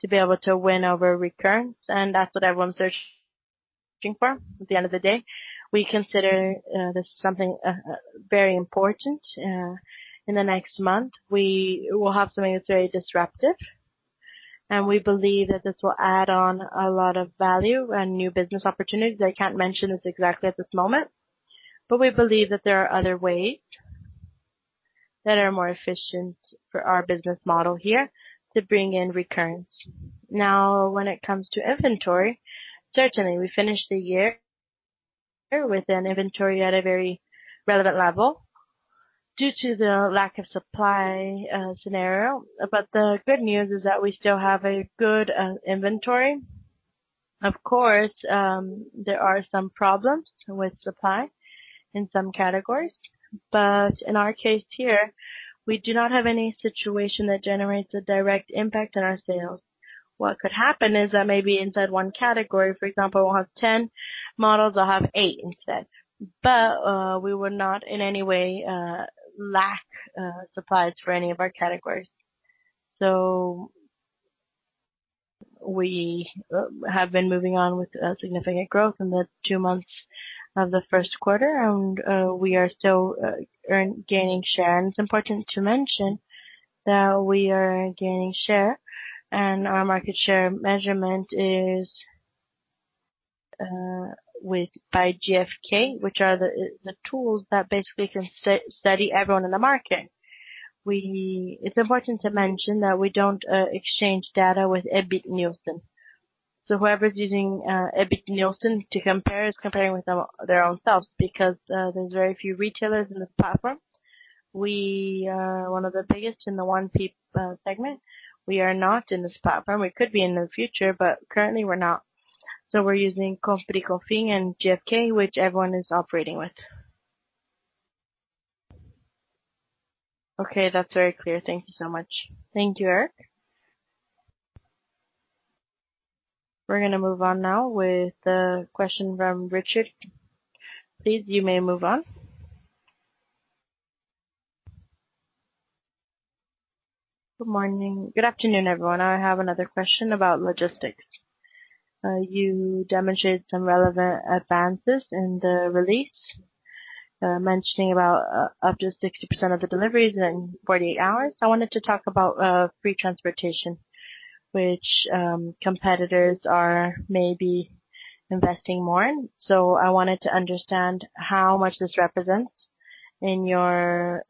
to be able to win over recurrence, and that's what everyone's searching for at the end of the day. We consider this something very important. In the next month, we will have something that's very disruptive, and we believe that this will add on a lot of value and new business opportunities. I can't mention this exactly at this moment, but we believe that there are other ways that are more efficient for our business model here to bring in recurrence. Now, when it comes to inventory, certainly we finished the year with an inventory at a very relevant level due to the lack of supply scenario. The good news is that we still have a good inventory. Of course, there are some problems with supply in some categories. In our case here, we do not have any situation that generates a direct impact on our sales. What could happen is that maybe inside one category, for example, we'll have 10 models, I'll have eight instead. We will not in any way lack supplies for any of our categories. We have been moving on with significant growth in the two months of the first quarter, and we are still gaining share. It's important to mention that we are gaining share, and our market share measurement is by GfK, which are the tools that basically can study everyone in the market. It's important to mention that we don't exchange data with Ebit Nielsen. Whoever's using Ebit Nielsen to compare is comparing with their own selves because there's very few retailers in this platform. We are one of the biggest in the 1P segment. We are not in this platform. We could be in the future, but currently we're not. We're using Compre e Confie and GfK, which everyone is operating with. Okay, that's very clear. Thank you so much. Thank you, Eric. We're going to move on now with the question from Richard. Please, you may move on. Good morning. Good afternoon, everyone. I have another question about logistics. You demonstrated some relevant advances in the release, mentioning about up to 60% of the deliveries in 48 hours. I wanted to talk about free transportation, which competitors are maybe investing more in. I wanted to understand how much this represents in your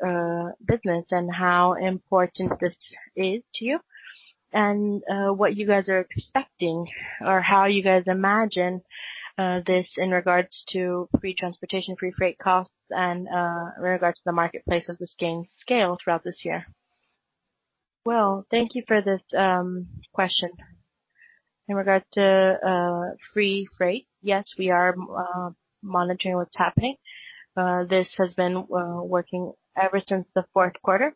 business and how important this is to you, and what you guys are expecting or how you guys imagine this in regards to free transportation, free freight costs, and in regards to the marketplace as this gains scale throughout this year. Thank you for this question. In regards to free freight, yes, we are monitoring what's happening. This has been working ever since the fourth quarter.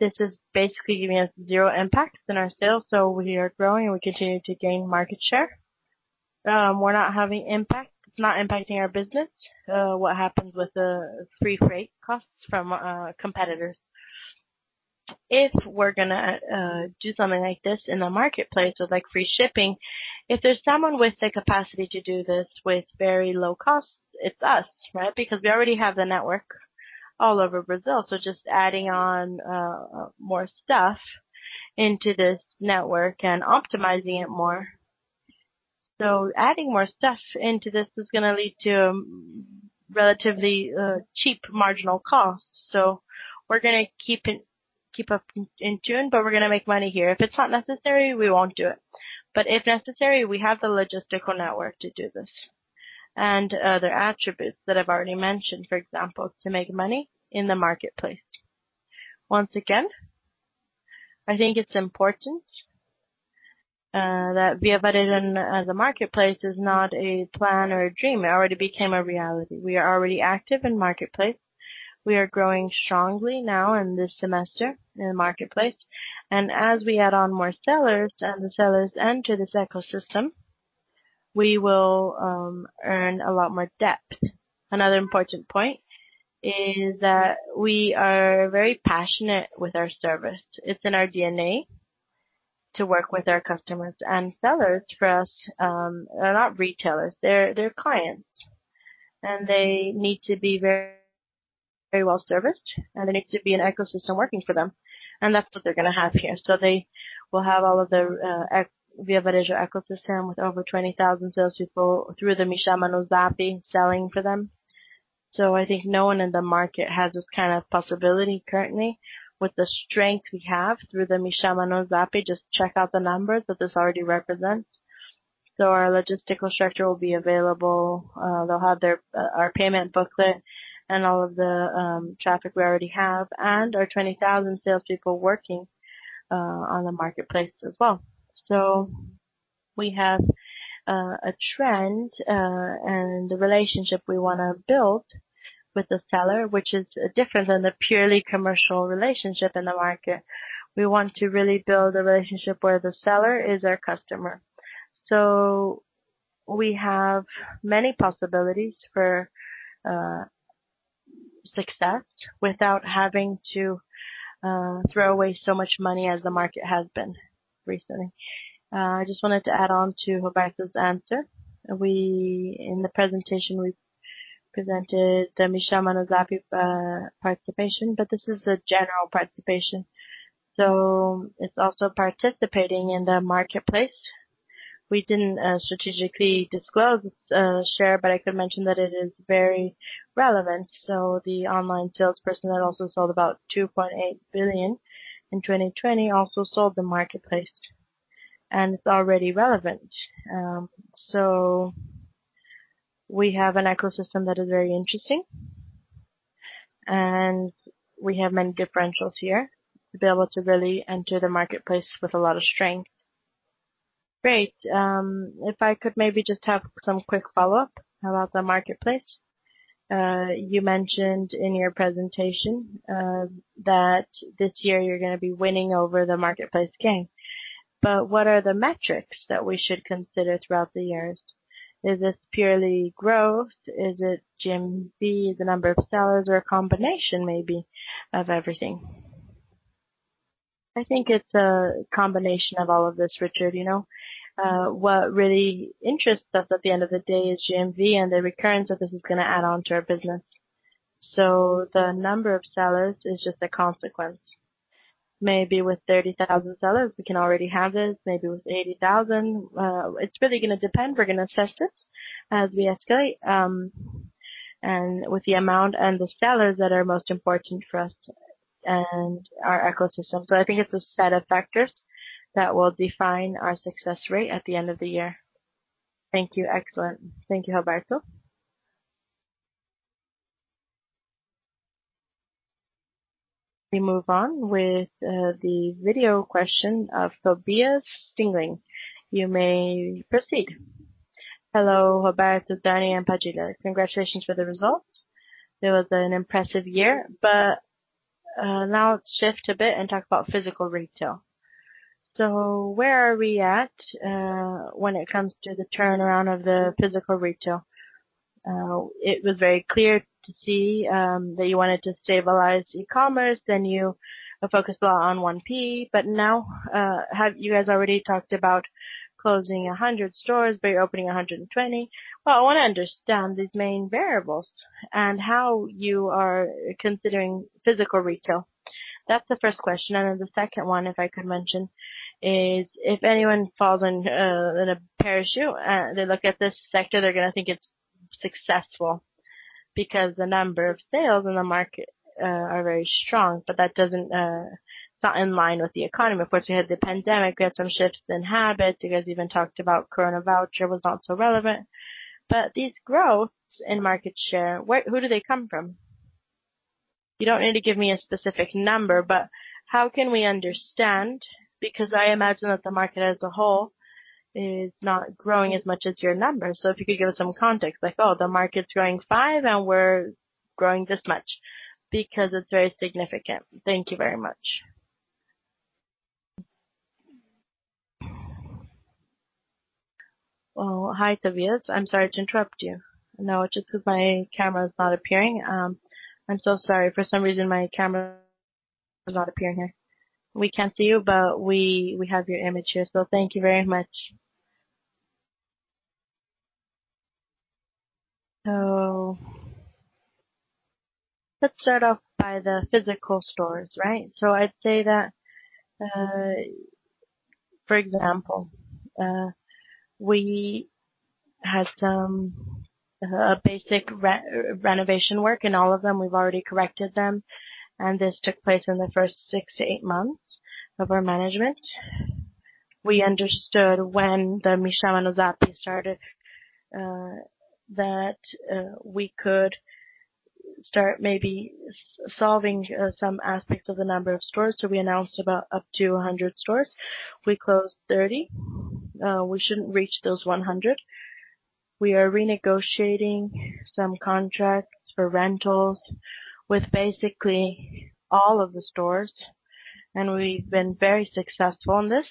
This is basically giving us zero impact in our sales. We are growing, and we continue to gain market share. We're not having impact. It's not impacting our business. What happens with the free freight costs from competitors? If we're going to do something like this in the marketplace with free shipping, if there's someone with the capacity to do this with very low costs, it's us, right? We already have the network all over Brazil. It's just adding on more stuff into this network and optimizing it more. Adding more stuff into this is going to lead to relatively cheap marginal costs. We're going to keep up in tune, but we're going to make money here. If it's not necessary, we won't do it. If necessary, we have the logistical network to do this and other attributes that I've already mentioned, for example, to make money in the marketplace. Once again, I think it's important that Via Varejo as a marketplace is not a plan or a dream. It already became a reality. We are already active in marketplace. We are growing strongly now in this semester in the marketplace. As we add on more sellers and the sellers enter this ecosystem. We will earn a lot more depth. Another important point is that we are very passionate with our service. It's in our DNA to work with our customers and sellers. For us, they're not retailers, they're clients, and they need to be very well serviced, and they need to be an ecosystem working for them. That's what they're going to have here. They will have all of the Via Varejo ecosystem with over 20,000 salespeople through the Me Chama no Zap selling for them. I think no one in the market has this kind of possibility currently with the strength we have through the Me Chama no Zap. Just check out the numbers that this already represents. Our logistical structure will be available. They'll have our payment booklet and all of the traffic we already have and our 20,000 salespeople working on the marketplace as well. We have a trend, and the relationship we want to build with the seller, which is different than the purely commercial relationship in the market. We want to really build a relationship where the seller is our customer. We have many possibilities for success without having to throw away so much money as the market has been recently. I just wanted to add on to Roberto's answer. In the presentation, we presented the Me Chama no Zap participation, but this is a general participation, so it is also participating in the marketplace. We didn't strategically disclose its share, but I could mention that it is very relevant. The online salesperson that also sold about 2.8 billion in 2020, also sold the marketplace, and it is already relevant. We have an ecosystem that is very interesting, and we have many differentials here to be able to really enter the marketplace with a lot of strength. Great. If I could maybe just have some quick follow-up about the marketplace. You mentioned in your presentation that this year you are going to be winning over the marketplace game. What are the metrics that we should consider throughout the years? Is this purely growth? Is it GMV, the number of sellers, or a combination maybe of everything? I think it's a combination of all of this, Richard. What really interests us at the end of the day is GMV and the recurrence that this is going to add on to our business. The number of sellers is just a consequence. Maybe with 30,000 sellers, we can already have this. Maybe with 80,000. It's really going to depend. We're going to test this as we escalate, and with the amount and the sellers that are most important for us and our ecosystem. I think it's a set of factors that will define our success rate at the end of the year. Thank you. Excellent. Thank you, Roberto. We move on with the video question of Tobias Stingelin. You may proceed. Hello, Roberto, Dani, and Padilha. Congratulations for the result. It was an impressive year. Now let's shift a bit and talk about physical retail. Where are we at when it comes to the turnaround of the physical retail? It was very clear to see that you wanted to stabilize e-commerce, then you focused a lot on 1P. Now, you guys already talked about closing 100 stores, but you're opening 120. I want to understand these main variables and how you are considering physical retail. That's the first question. Then the second one, if I could mention, is if anyone falls in a parachute they look at this sector, they're going to think it's successful because the number of sales in the market are very strong. That's not in line with the economy. Of course, we had the pandemic. We had some shifts in habits. You guys even talked about Coronavoucher was also relevant. These growths in market share, who do they come from? You don't need to give me a specific number, but how can we understand? I imagine that the market as a whole is not growing as much as your numbers. If you could give us some context like, "Oh, the market's growing five and we're growing this much," because it's very significant. Thank you very much. Hi, Tobias. I'm sorry to interrupt you. No, just because my camera is not appearing. I'm so sorry. For some reason, my camera is not appearing here. We can't see you, but we have your image here, so thank you very much. Let's start off by the physical stores, right? I'd say that, for example, we had some basic renovation work in all of them. We've already corrected them, this took place in the first six to eight months of our management. We understood when the Me Chama no Zap started that we could start maybe solving some aspects of the number of stores. We announced about up to 100 stores. We closed 30. We shouldn't reach those 100. We are renegotiating some contracts for rentals with basically all of the stores, and we've been very successful in this.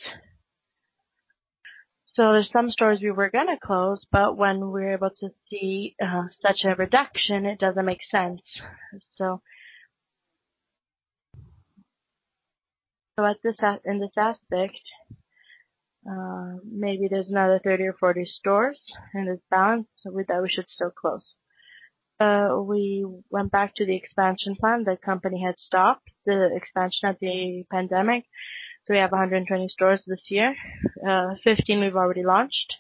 There's some stores we were going to close, but when we're able to see such a reduction, it doesn't make sense. In this aspect, maybe there's another 30 or 40 stores in this balance that we should still close. We went back to the expansion plan. The company had stopped the expansion at the pandemic. We have 120 stores this year. 15 we've already launched.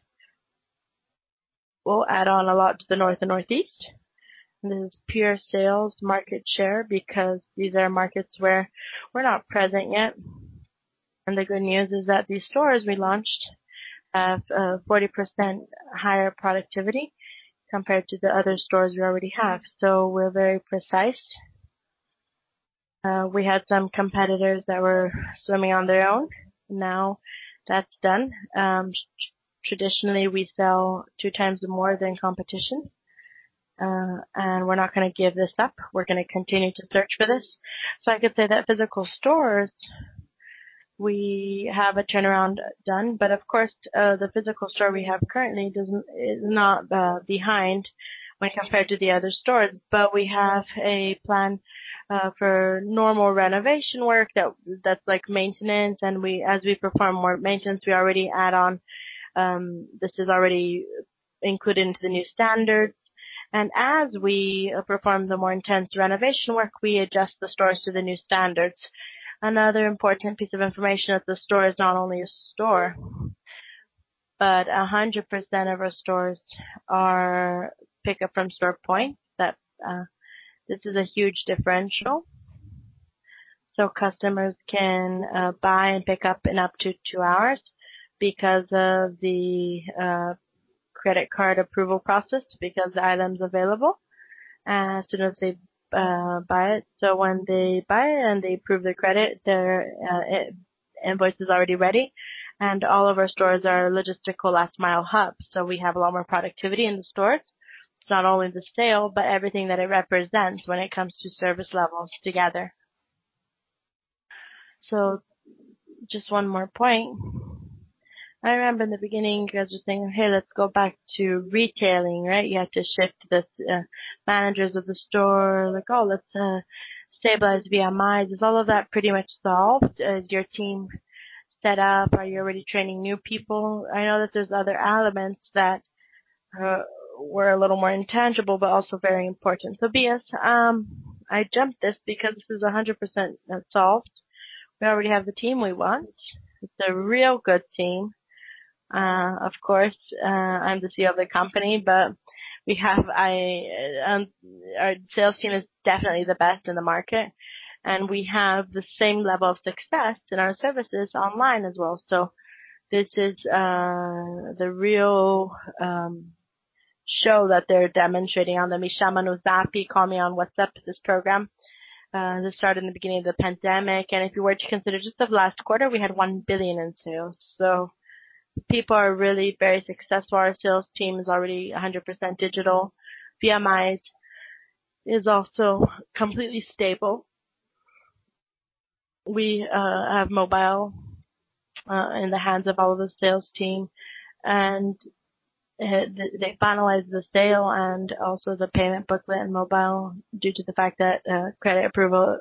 We'll add on a lot to the north and northeast. This is pure sales market share because these are markets where we're not present yet. The good news is that these stores we launched have a 40% higher productivity compared to the other stores we already have. We're very precise. We had some competitors that were swimming on their own. Now that's done. Traditionally, we sell 2x more than competition. We're not going to give this up. We're going to continue to search for this. I could say that physical stores, we have a turnaround done. Of course, the physical store we have currently is not behind when compared to the other stores. We have a plan for normal renovation work that's like maintenance, and as we perform more maintenance, we already add on. This is already included into the new standards. As we perform the more intense renovation work, we adjust the stores to the new standards. Another important piece of information is the store is not only a store, but 100% of our stores are pick-up from store point. This is a huge differential. Customers can buy and pick up in up to two hours because of the credit card approval process, because the item's available as soon as they buy it. When they buy it and they approve the credit, their invoice is already ready, and all of our stores are logistical last mile hubs. We have a lot more productivity in the stores. It's not only the sale, but everything that it represents when it comes to service levels together. Just one more point. I remember in the beginning, you guys were saying, "Hey, let's go back to retailing." Right? You have to shift the managers of the store, like, "Oh, let's stabilize VMIs." Is all of that pretty much solved? Is your team set up? Are you already training new people? I know that there's other elements that were a little more intangible, but also very important. Tobias. I jumped this because this is 100% solved. We already have the team we want. It's a real good team. Of course, I'm the CEO of the company, but our sales team is definitely the best in the market, and we have the same level of success in our services online as well. This is the real show that they're demonstrating on the Me Chama no Zap, call me on WhatsApp, this program. This started in the beginning of the pandemic, and if you were to consider just of last quarter, we had 1 billion in sale. People are really very successful. Our sales team is already 100% digital. VMI is also completely stable. We have mobile in the hands of all of the sales team, and they finalize the sale and also the payment booklet and mobile due to the fact that credit approval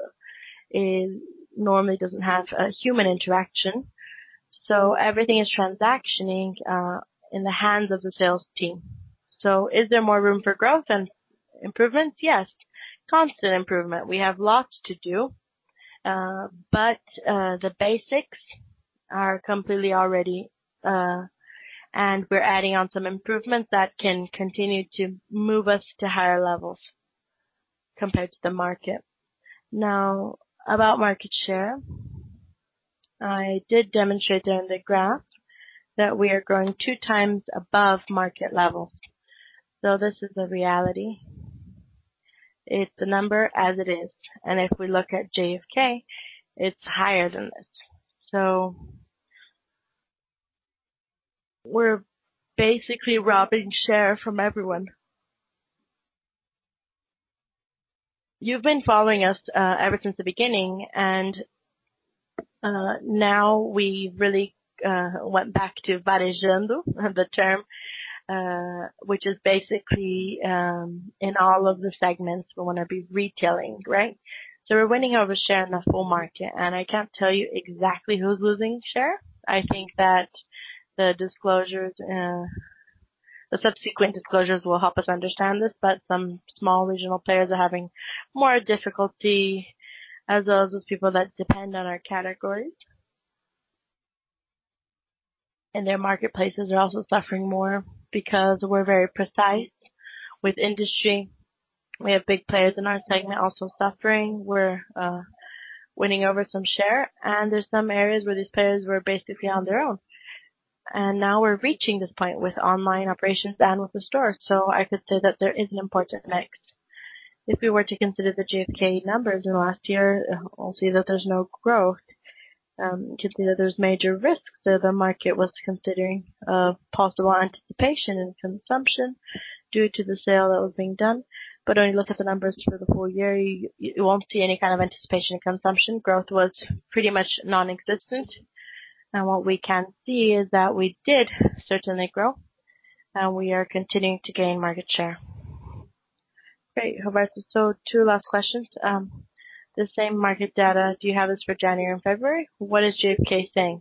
normally doesn't have a human interaction. Everything is transactioning in the hands of the sales team. Is there more room for growth and improvements? Yes. Constant improvement. We have lots to do. The basics are completely all ready. We're adding on some improvements that can continue to move us to higher levels compared to the market. Now, about market share. I did demonstrate there in the graph that we are growing 2x above market level. This is the reality. It's the number as it is. If we look at GfK, it's higher than this. We're basically robbing share from everyone. You've been following us ever since the beginning, and now we really went back to varejando, the term, which is basically in all of the segments we want to be retailing. Right? We're winning over share in the whole market, and I can't tell you exactly who's losing share. I think that the subsequent disclosures will help us understand this. Some small regional players are having more difficulty as those people that depend on our categories. Their marketplaces are also suffering more because we're very precise with industry. We have big players in our segment also suffering. We're winning over some share and there's some areas where these players were basically on their own. Now we're reaching this point with online operations and with the store. I could say that there is an important mix. If we were to consider the GfK numbers in the last year, we will see that there is no growth, can see that there is major risks there. The market was considering a possible anticipation in consumption due to the sale that was being done. When you look at the numbers for the whole year, you will not see any kind of anticipation in consumption. Growth was pretty much non-existent. What we can see is that we did certainly grow, and we are continuing to gain market share. Great. Roberto. Two last questions. The same market data, do you have this for January and February? What is GfK saying?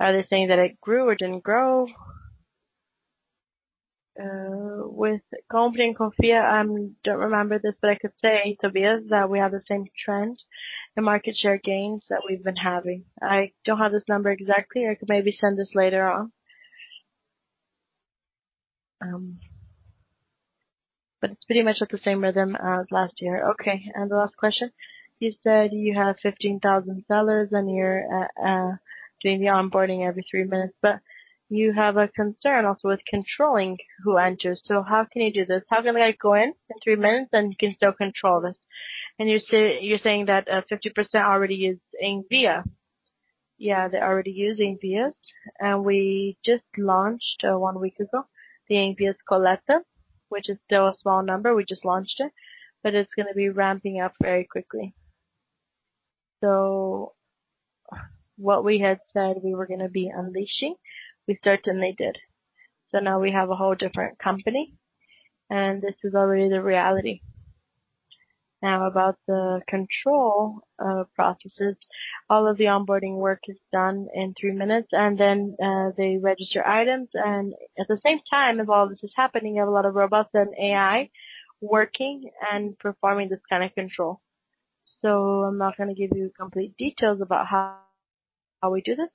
Are they saying that it grew or did not grow? With Compre e Confie, I don't remember this, I could say, Tobias, that we have the same trend and market share gains that we've been having. I don't have this number exactly. I could maybe send this later on. It's pretty much at the same rhythm as last year. The last question. You said you have 15,000 sellers and you're doing the onboarding every three minutes, you have a concern also with controlling who enters. How can you do this? How can I go in in three minutes and you can still control this? You're saying that 50% already is in Envvias. They already use Envvias, we just launched, one week ago, the Envvias Coleta, which is still a small number. We just launched it's going to be ramping up very quickly. What we had said we were going to be unleashing, we certainly did. Now we have a whole different company, and this is already the reality. Now, about the control processes. All of the onboarding work is done in three minutes, and then they register items, and at the same time, as all this is happening, you have a lot of robots and AI working and performing this kind of control. I'm not going to give you complete details about how we do this.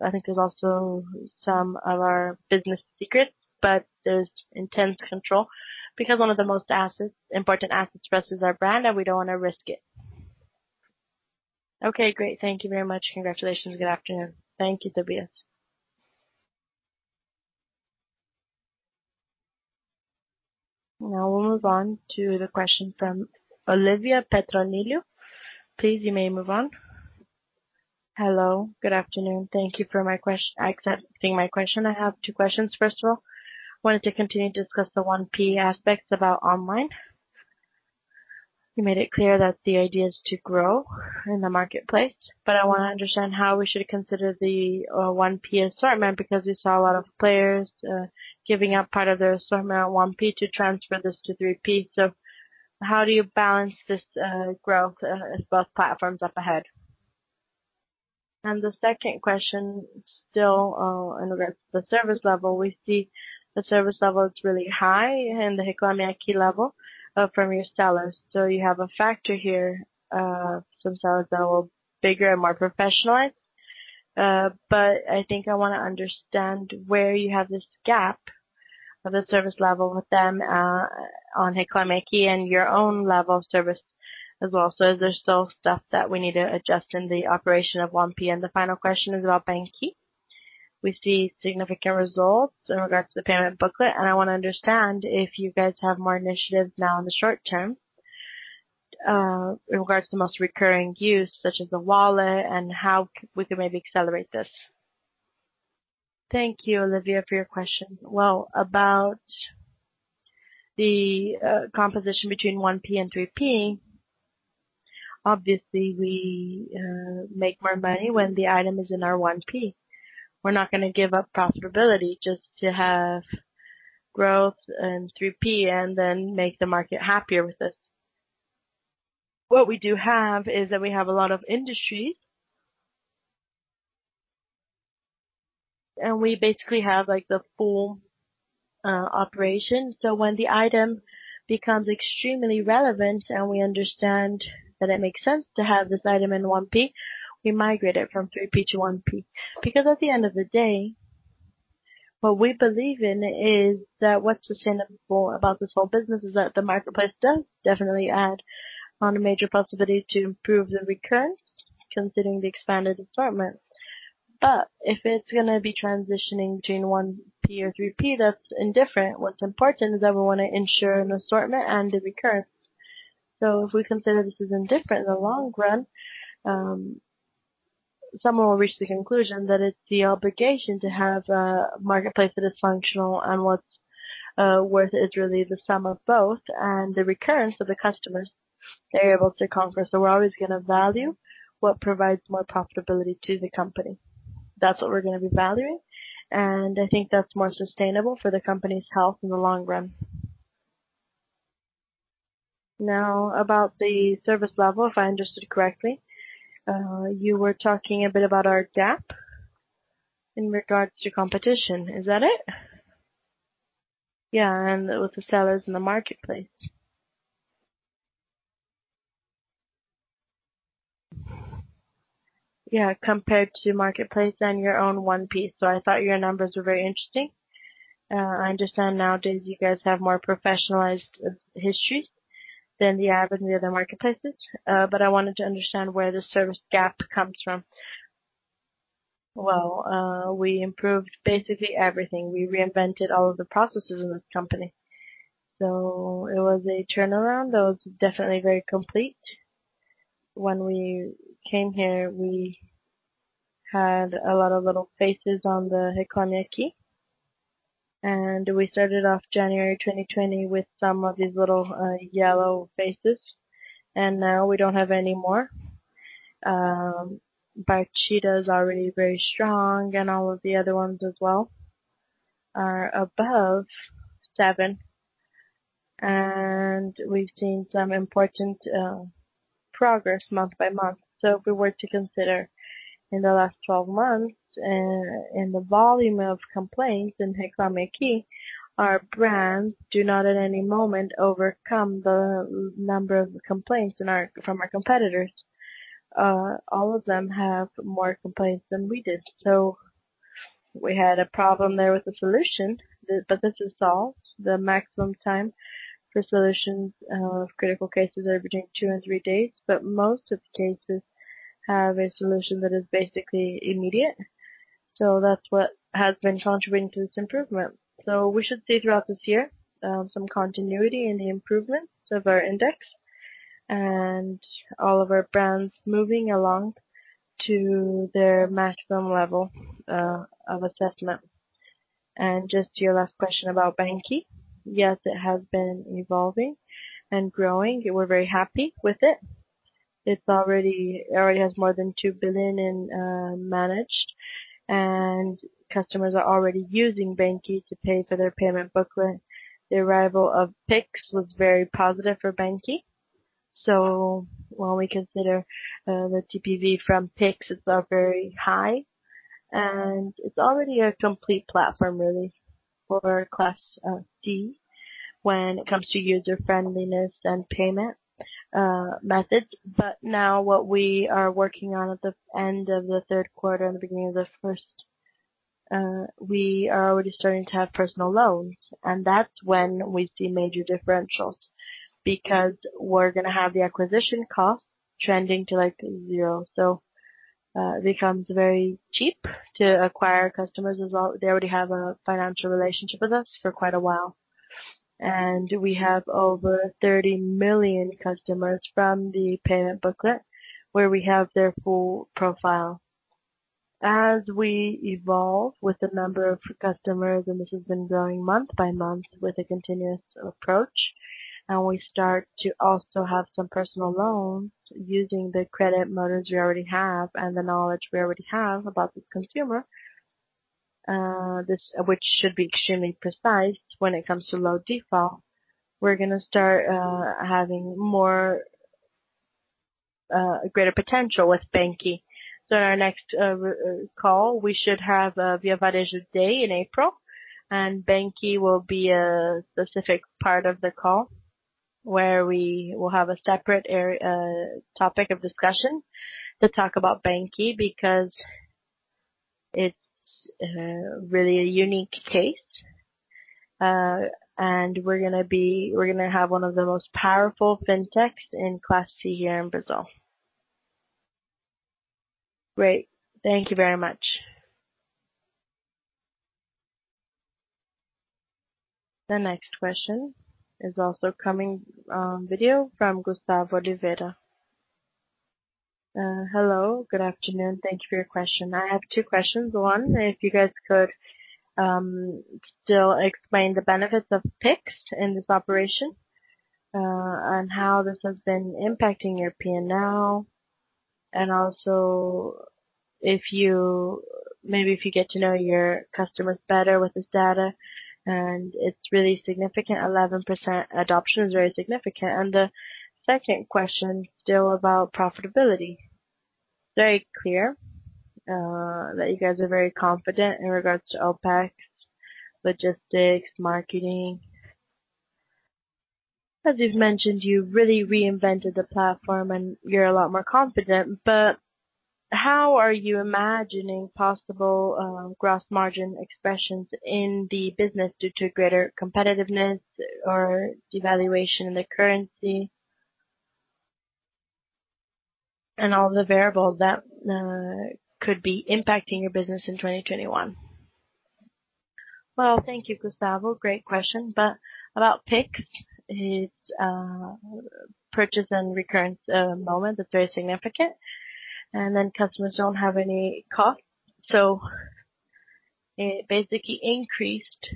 I think there's also some of our business secrets, but there's intense control because one of the most important assets for us is our brand, and we don't want to risk it. Okay, great. Thank you very much. Congratulations. Good afternoon. Thank you, Tobias. Now we'll move on to the question from Olívia Petronilho. Please, you may move on. Hello. Good afternoon. Thank you for accepting my question. I have two questions. First of all, I wanted to continue to discuss the 1P aspects about online. You made it clear that the idea is to grow in the marketplace, but I want to understand how we should consider the 1P assortment, because we saw a lot of players giving up part of their assortment 1P to transfer this to 3P. How do you balance this growth in both platforms up ahead? The second question, still in regards to service level, we see the service level is really high in the economical level from your sellers. You have a factor here. Some sellers are a little bigger and more professionalized. I think I want to understand where you have this gap of the service level with them on economical and your own level of service as well. Is there still stuff that we need to adjust in the operation of 1P? The final question is about banQi. We see significant results in regards to the payment booklet, and I want to understand if you guys have more initiatives now in the short term, in regards to most recurring use, such as the wallet, and how we could maybe accelerate this. Thank you, Olivia, for your question. About the composition between 1P and 3P, obviously, we make more money when the item is in our 1P. We're not going to give up profitability just to have growth in 3P and then make the market happier with it. What we do have is that we have a lot of industries. We basically have the full operation. When the item becomes extremely relevant and we understand that it makes sense to have this item in 1P, we migrate it from 3P to 1P. At the end of the day, what we believe in is that what's sustainable about this whole business is that the marketplace does definitely add on a major possibility to improve the recurrence considering the expanded assortment. If it's going to be transitioning between 1P or 3P, that's indifferent. What's important is that we want to ensure an assortment and the recurrence. If we consider this is indifferent in the long run, someone will reach the conclusion that it's the obligation to have a marketplace that is functional and what's worth it really is the sum of both and the recurrence of the customers they're able to conquer. We're always going to value what provides more profitability to the company. That's what we're going to be valuing, and I think that's more sustainable for the company's health in the long run. About the service level, if I understood correctly, you were talking a bit about our gap in regards to competition. Is that it? And with the sellers in the marketplace. Compared to marketplace and your own 1P. I thought your numbers were very interesting. I understand nowadays you guys have more professionalized history than the average near the marketplaces. I wanted to understand where the service gap comes from. Well, we improved basically everything. We reinvented all of the processes in this company. It was a turnaround that was definitely very complete. When we came here, we had a lot of little faces on the Reclame Aqui. We started off January 2020 with some of these little yellow faces. Now we don't have any more. banQi is already very strong. All of the other ones as well are above seven. We've seen some important progress month by month. If we were to consider in the last 12 months in the volume of complaints in Reclame Aqui, our brands do not at any moment overcome the number of complaints from our competitors. All of them have more complaints than we did. We had a problem there with the solution. This is solved. The maximum time for solutions of critical cases are between two and three days. Most of the cases have a solution that is basically immediate. That's what has been contributing to this improvement. We should see throughout this year, some continuity in the improvements of our index and all of our brands moving along to their maximum level of assessment. Just to your last question about banQi. Yes, it has been evolving and growing. We're very happy with it. It already has more than 2 billion in managed, and customers are already using banQi to pay for their payment booklet. The arrival of Pix was very positive for banQi. While we consider the TPV from Pix, it's now very high, and it's already a complete platform, really, for Class D when it comes to user-friendliness and payment methods. Now what we are working on at the end of the third quarter and the beginning of the first, we are already starting to have personal loans, and that is when we see major differentials, because we are going to have the acquisition cost trending to zero. It becomes very cheap to acquire customers as they already have a financial relationship with us for quite a while. We have over 30 million customers from the payment booklet where we have their full profile. As we evolve with the number of customers, and this has been growing month by month with a continuous approach, and we start to also have some personal loans using the credit models we already have and the knowledge we already have about this consumer, which should be extremely precise when it comes to low default. We are going to start having greater potential with banQi. In our next call, we should have a Via Varejo day in April, banQi will be a specific part of the call where we will have a separate topic of discussion to talk about banQi because it's really a unique case. We're going to have one of the most powerful fintechs in Class C here in Brazil. Great. Thank you very much. The next question is also coming video from Gustavo de Oliveira. Hello, good afternoon. Thank you for your question. I have two questions. One, if you guys could still explain the benefits of Pix in this operation, on how this has been impacting your P&L. Also maybe if you get to know your customers better with this data, and it's really significant, 11% adoption is very significant. The second question, still about profitability. Very clear that you guys are very confident in regards to OpEx, logistics, marketing. As you've mentioned, you've really reinvented the platform and you're a lot more confident, how are you imagining possible gross margin expressions in the business due to greater competitiveness or devaluation in the currency? All the variables that could be impacting your business in 2021. Well, thank you, Gustavo. Great question. About Pix, it's purchase and recurrence moment is very significant, customers don't have any cost. It basically increased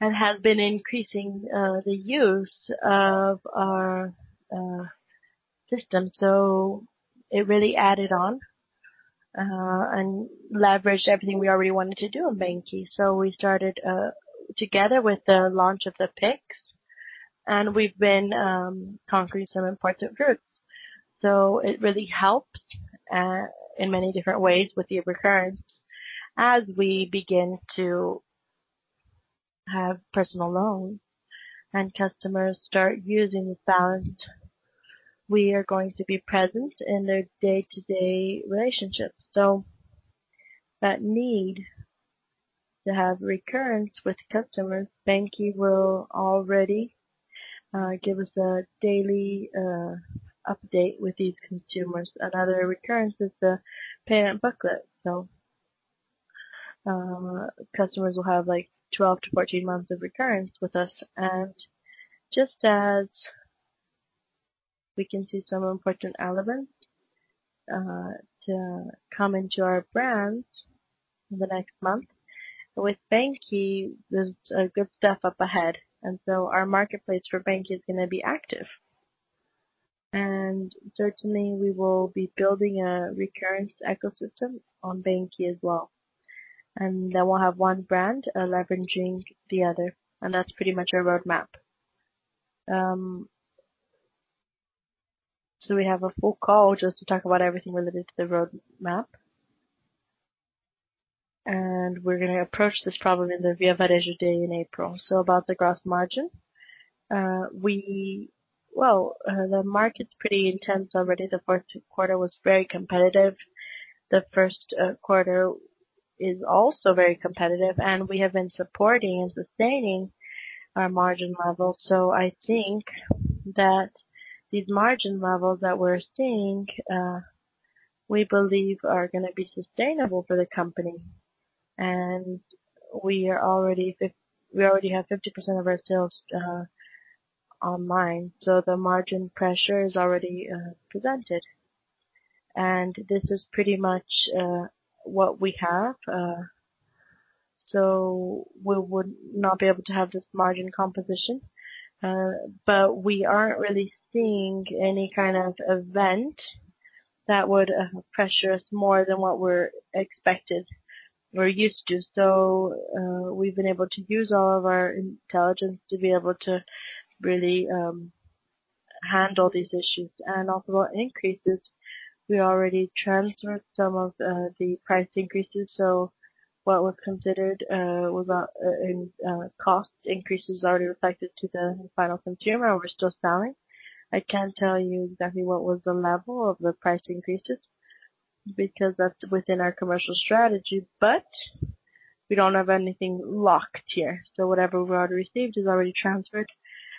and has been increasing the use of our system. It really added on and leveraged everything we already wanted to do in banQi. We started together with the launch of the Pix, we've been conquering some important groups. It really helped in many different ways with the recurrence. As we begin to have personal loans and customers start using the balance, we are going to be present in their day-to-day relationships. That need to have recurrence with customers, banQi will already give us a daily update with these consumers. Another recurrence is the Crediário. Customers will have 12 to 14 months of recurrence with us. Just as we can see some important elements to come into our brand in the next month. With banQi, there's good stuff up ahead. Our marketplace for banQi is going to be active. Certainly, we will be building a recurrence ecosystem on banQi as well. Then we'll have one brand leveraging the other, that's pretty much our roadmap. We have a full call just to talk about everything related to the roadmap. We're going to approach this problem in the Via Varejo day in April. About the gross margin. The market's pretty intense already. The fourth quarter was very competitive. The first quarter is also very competitive, and we have been supporting and sustaining our margin levels. I think that these margin levels that we're seeing, we believe are going to be sustainable for the company. We already have 50% of our sales online. The margin pressure is already presented, and this is pretty much what we have. We would not be able to have this margin composition. We aren't really seeing any kind of event that would pressure us more than what we're expected, we're used to. We've been able to use all of our intelligence to be able to really handle these issues. Also about increases, we already transferred some of the price increases. What was considered was cost increases already reflected to the final consumer, and we're still selling. I can't tell you exactly what was the level of the price increases because that's within our commercial strategy. We don't have anything locked here. Whatever we've already received is already transferred,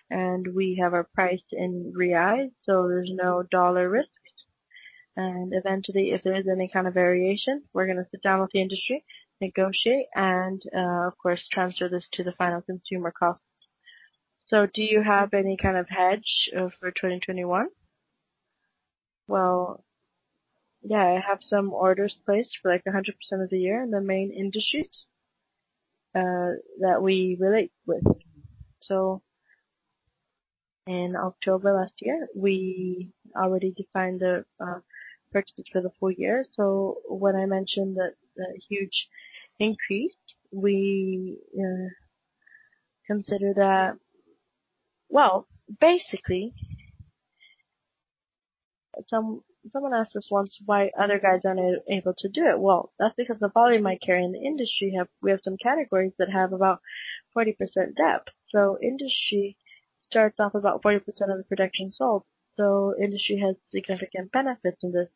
and we have our price in reais, so there's no dollar risk. Eventually, if there is any kind of variation, we're going to sit down with the industry, negotiate, and of course, transfer this to the final consumer cost. Do you have any kind of hedge for 2021? Well, yeah, I have some orders placed for 100% of the year in the main industries that we relate with. In October last year, we already defined the purchases for the full year. When I mentioned that the huge increase, we consider that someone asked us once why other guys aren't able to do it. That's because the volume I carry in the industry, we have some categories that have about 40% depth. Industry starts off about 40% of the production sold. Industry has significant benefits in this,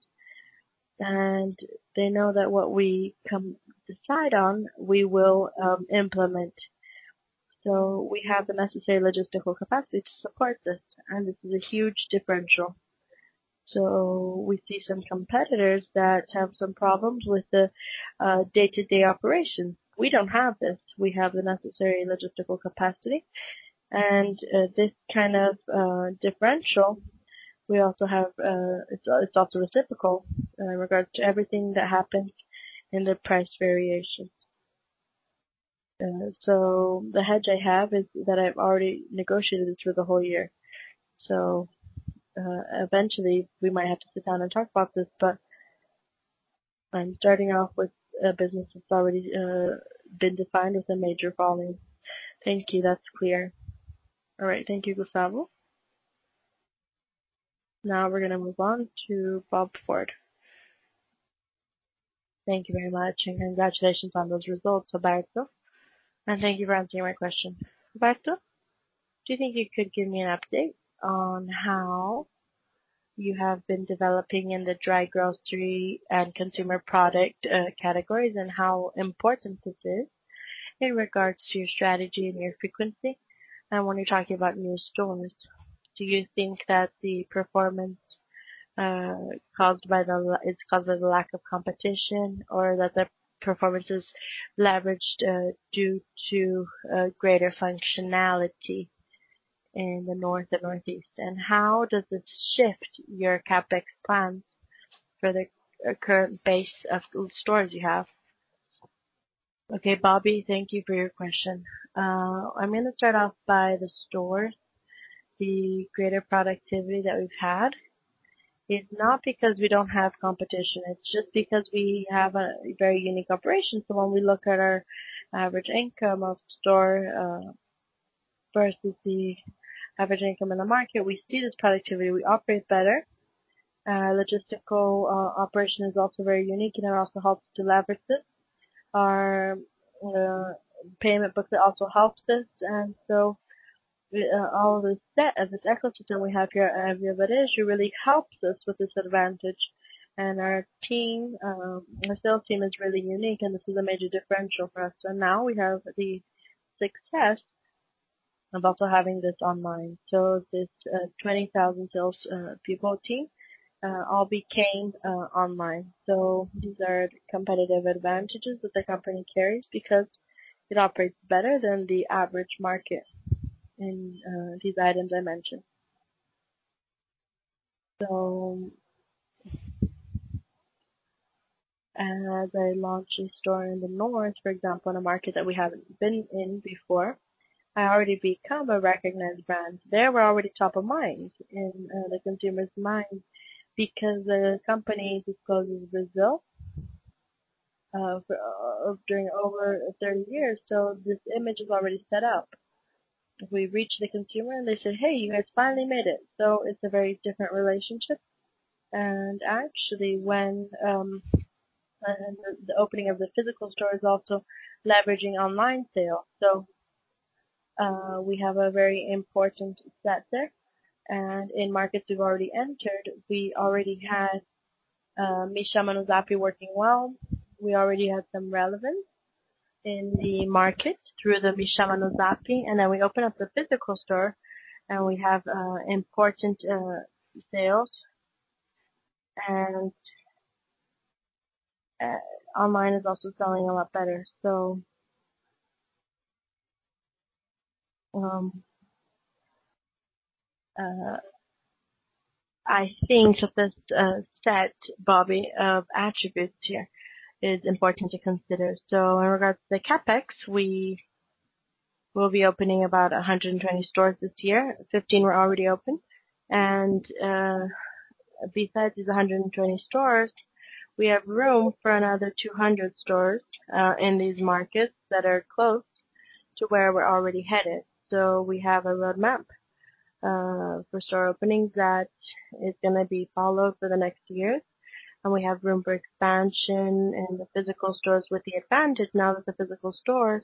and they know that what we come decide on, we will implement. We have the necessary logistical capacity to support this, and this is a huge differential. We see some competitors that have some problems with the day-to-day operations. We don't have this. We have the necessary logistical capacity and this kind of differential. It's also reciprocal in regards to everything that happens in the price variations. The hedge I have is that I've already negotiated it through the whole year. Eventually we might have to sit down and talk about this. I'm starting off with a business that's already been defined as a major volume. Thank you. That's clear. All right. Thank you, Gustavo. Now we're going to move on to Bob Ford. Thank you very much. Congratulations on those results, Roberto. Thank you for answering my question. Roberto, do you think you could give me an update on how you have been developing in the dry grocery and consumer product categories and how important this is in regards to your strategy and your frequency? When you're talking about new stores, do you think that the performance is caused by the lack of competition or that the performance is leveraged due to greater functionality in the North and Northeast? How does it shift your CapEx plans for the current base of stores you have? Okay, Bobby, thank you for your question. I'm going to start off by the stores. The greater productivity that we've had is not because we don't have competition. It's just because we have a very unique operation. When we look at our average income of store versus the average income in the market, we see this productivity. We operate better. Logistical operation is also very unique, and it also helps to leverage this. Our payment booklet also helps us. All of this set as this ecosystem we have here at Via Varejo really helps us with this advantage. Our sales team is really unique, and this is a major differential for us. Now we have the success of also having this online. This 20,000 salespeople team all became online. These are competitive advantages that the company carries because it operates better than the average market in these items I mentioned. As I launch a store in the north, for example, in a market that we haven't been in before, I already become a recognized brand. They were already top of mind in the consumer's mind because the company discloses Brazil during over 30 years. This image is already set up. We reach the consumer, and they said, "Hey, you guys finally made it." It's a very different relationship. Actually, when the opening of the physical store is also leveraging online sales. We have a very important set there. In markets we've already entered, we already had Me Chama no Zap working well. We already had some relevance in the market through the Me Chama no Zap, and then we open up the physical store, and we have important sales, and online is also selling a lot better. I think that this set, Bobby, of attributes here is important to consider. In regards to the CapEx, we will be opening about 120 stores this year. 15 were already open. Besides these 120 stores, we have room for another 200 stores, in these markets that are close to where we're already headed. We have a roadmap for store openings that is going to be followed for the next years. We have room for expansion in the physical stores with the advantage now that the physical stores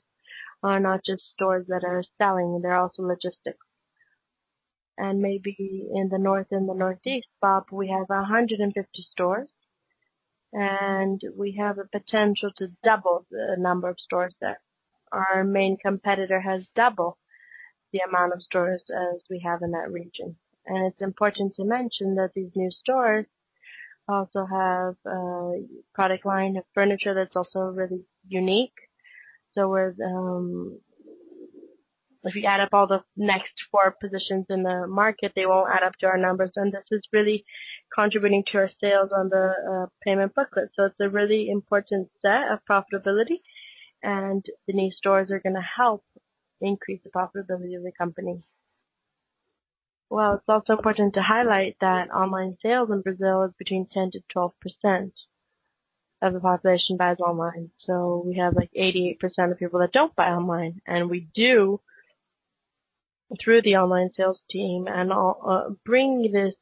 are not just stores that are selling, they're also logistics. Maybe in the north and the northeast, Bob, we have 150 stores, and we have a potential to double the number of stores there. Our main competitor has double the amount of stores as we have in that region. It's important to mention that these new stores also have a product line of furniture that's also really unique. If you add up all the next four positions in the market, they won't add up to our numbers. This is really contributing to our sales on the payment booklet. It's a really important set of profitability, and the new stores are going to help increase the profitability of the company. Well, it's also important to highlight that online sales in Brazil is between 10%-12% of the population buys online. We have like 88% of people that don't buy online. We do through the online sales team and all, bring this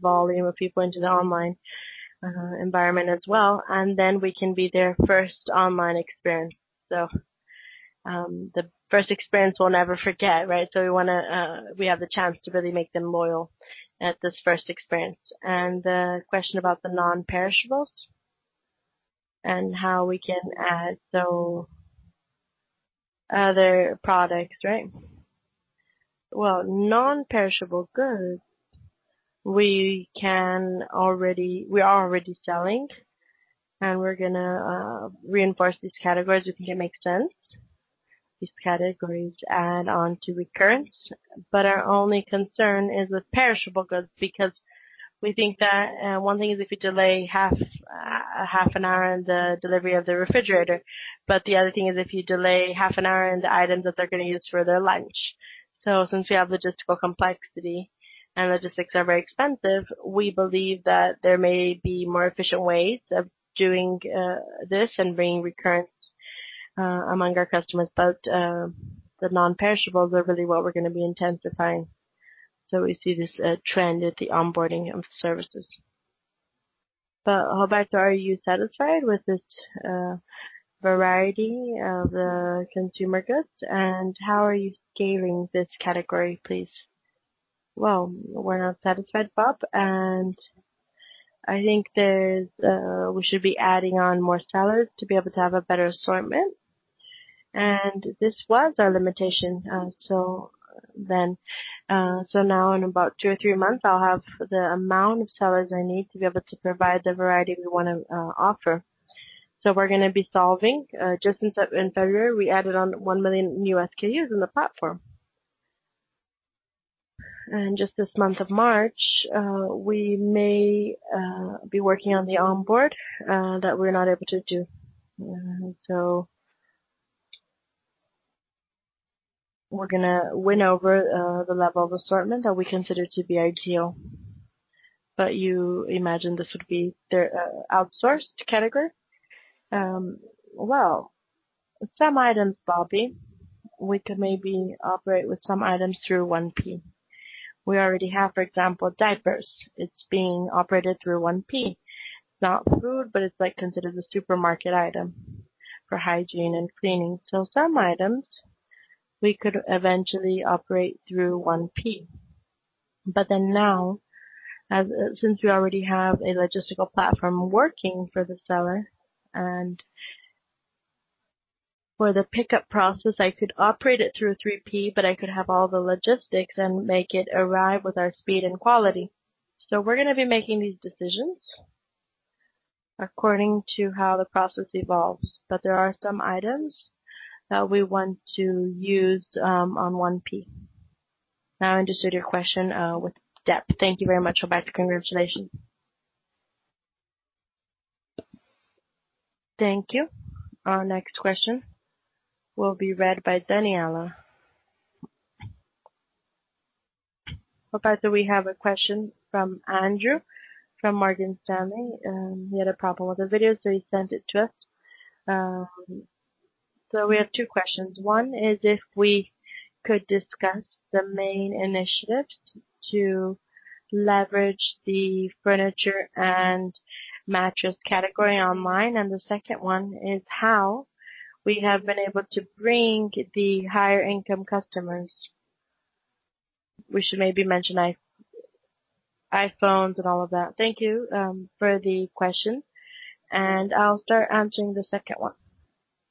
volume of people into the online environment as well, and then we can be their first online experience. The first experience we'll never forget, right? We have the chance to really make them loyal at this first experience. The question about the non-perishables and how we can add other products, right? Well, non-perishable goods, we are already selling, and we're going to reinforce these categories if it makes sense. These categories add on to recurrence. Our only concern is with perishable goods, because we think that one thing is if you delay half an hour in the delivery of the refrigerator, but the other thing is if you delay half an hour in the items that they're going to use for their lunch. Since we have logistical complexity and logistics are very expensive, we believe that there may be more efficient ways of doing this and bringing recurrence among our customers. The non-perishables are really what we're going to be intensifying. We see this trend at the onboarding of services. Roberto, are you satisfied with this variety of the consumer goods, and how are you scaling this category, please? Well, we're not satisfied, Bob, and I think we should be adding on more sellers to be able to have a better assortment. This was our limitation. Now in about two or three months, I'll have the amount of sellers I need to be able to provide the variety we want to offer. We're going to be solving. Just in February, we added on 1 million new SKUs in the platform. Just this month of March, we may be working on the onboard, that we're not able to do. We're going to win over the level of assortment that we consider to be ideal. You imagine this would be their outsourced category? Some items, Bobby, we could maybe operate with some items through 1P. We already have, for example, diapers. It's being operated through 1P. It's not food, but it's considered a supermarket item for hygiene and cleaning. Some items we could eventually operate through 1P. Now, since we already have a logistical platform working for the seller and for the pickup process, I could operate it through 3P, but I could have all the logistics and make it arrive with our speed and quality. We're going to be making these decisions according to how the process evolves. There are some items that we want to use on 1P. Now I understood your question with depth. Thank you very much, Roberto. Congratulations. Thank you. Our next question will be read by Daniela. Roberto, we have a question from Andrew from Morgan Stanley. He had a problem with the video, so he sent it to us. We have two questions. One is if we could discuss the main initiatives to leverage the furniture and mattress category online, and the second one is how we have been able to bring the higher income customers. We should maybe mention iPhones and all of that. Thank you for the question, and I'll start answering the second one.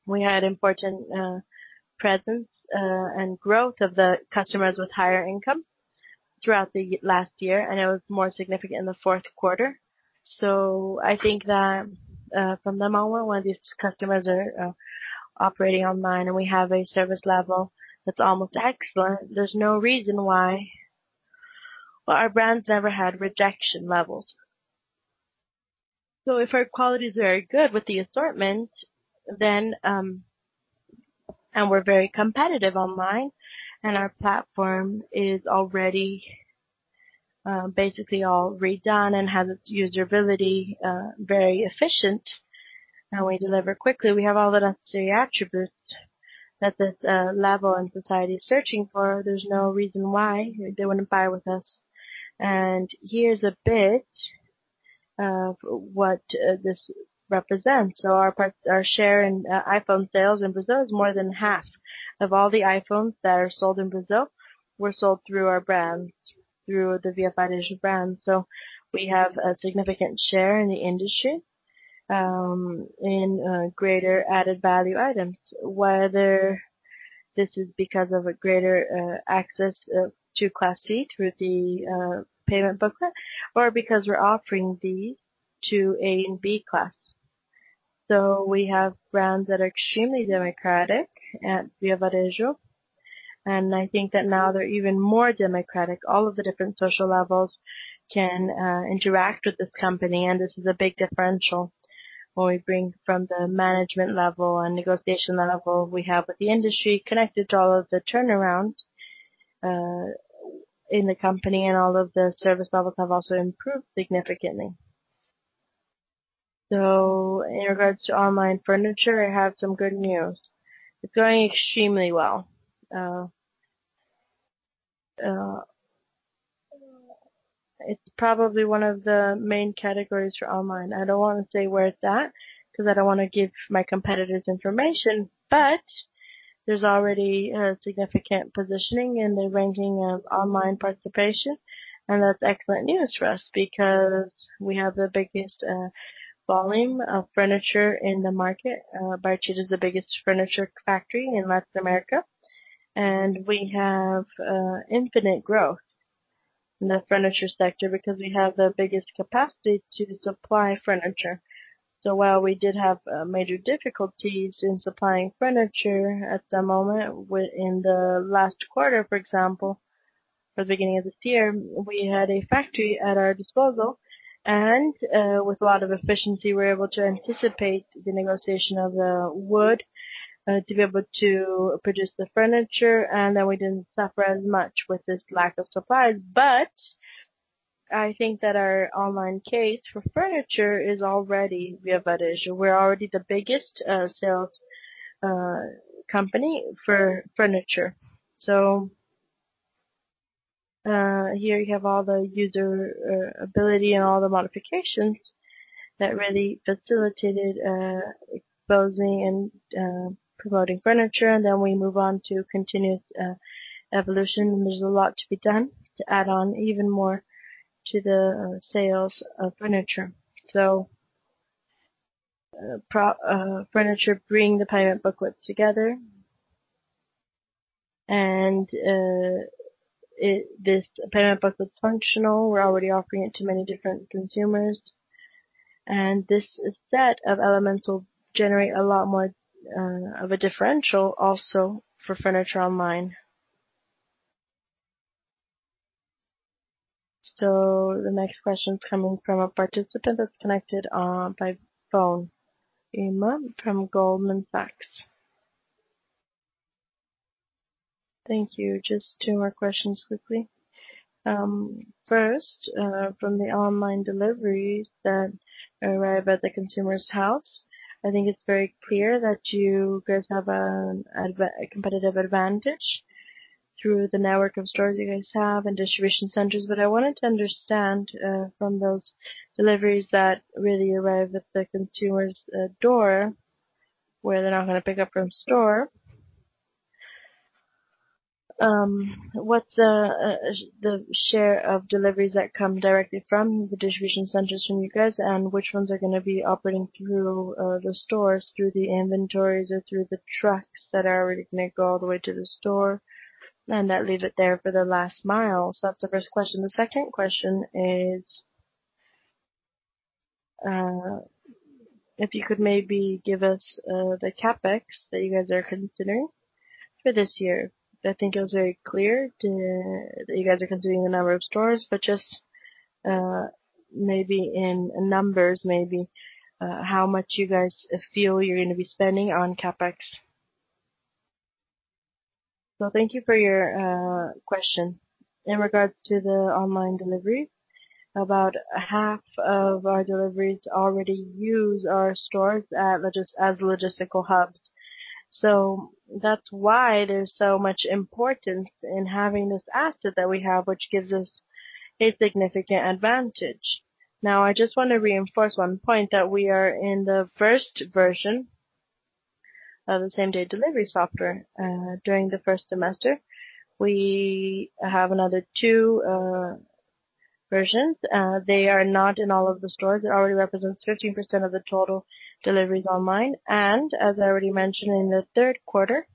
We had important presence and growth of the customers with higher income throughout the last year, and it was more significant in the fourth quarter. I think that from the moment when these customers are operating online and we have a service level that's almost excellent, there's no reason why our brands never had rejection levels. If our quality is very good with the assortment, and we're very competitive online, and our platform is already basically all redone and has its usability very efficient, and we deliver quickly, we have all the necessary attributes that this level and society is searching for. There's no reason why they wouldn't buy with us. Here's a bit of what this represents. Our share in iPhone sales in Brazil is more than half of all the iPhones that are sold in Brazil were sold through our brands, through the Via Varejo brand. We have a significant share in the industry in greater added value items, whether this is because of a greater access to Class C through the payment booklet or because we're offering these to A and B class. We have brands that are extremely democratic at Via Varejo, and I think that now they're even more democratic. All of the different social levels can interact with this company, and this is a big differential when we bring from the management level and negotiation level we have with the industry connected to all of the turnaround in the company, and all of the service levels have also improved significantly. In regards to online furniture, I have some good news. It's going extremely well. It's probably one of the main categories for online. I don't want to say where it's at because I don't want to give my competitors information, but there's already a significant positioning in the ranking of online participation. That's excellent news for us because we have the biggest volume of furniture in the market. Bartira is the biggest furniture factory in Latin America. We have infinite growth in the furniture sector because we have the biggest capacity to supply furniture. While we did have major difficulties in supplying furniture at the moment in the last quarter, for example, or the beginning of this year, we had a factory at our disposal, and with a lot of efficiency, we were able to anticipate the negotiation of the wood to be able to produce the furniture. We didn't suffer as much with this lack of supplies. I think that our online case for furniture is already Via Varejo. We're already the biggest sales company for furniture. Here you have all the user ability and all the modifications that really facilitated exposing and promoting furniture. We move on to continued evolution. There's a lot to be done to add on even more to the sales of furniture. Furniture bring the payment booklet together. This payment booklet is functional. We're already offering it to many different consumers. This set of elements will generate a lot more of a differential also for furniture online. The next question is coming from a participant that's connected by phone. Irma from Goldman Sachs. Thank you. Just two more questions quickly. First, from the online deliveries that arrive at the consumer's house, I think it's very clear that you guys have a competitive advantage. Through the network of stores you guys have and distribution centers. I wanted to understand from those deliveries that really arrive at the consumer's door, where they're not going to pick up from store. What's the share of deliveries that come directly from the distribution centers from you guys, and which ones are going to be operating through the stores, through the inventories or through the trucks that are already going to go all the way to the store and that leave it there for the last mile? That's the first question. The second question is, if you could maybe give us the CapEx that you guys are considering for this year. I think it was very clear that you guys are considering the number of stores, but just maybe in numbers, maybe, how much you guys feel you're going to be spending on CapEx. Thank you for your question. In regards to the online delivery, about half of our deliveries already use our stores as logistical hubs. That's why there's so much importance in having this asset that we have, which gives us a significant advantage. I just want to reinforce one point that we are in the first version of the same-day delivery software during the first semester. We have another two versions. They are not in all of the stores. It already represents 13% of the total deliveries online. As I already mentioned in the third quarter,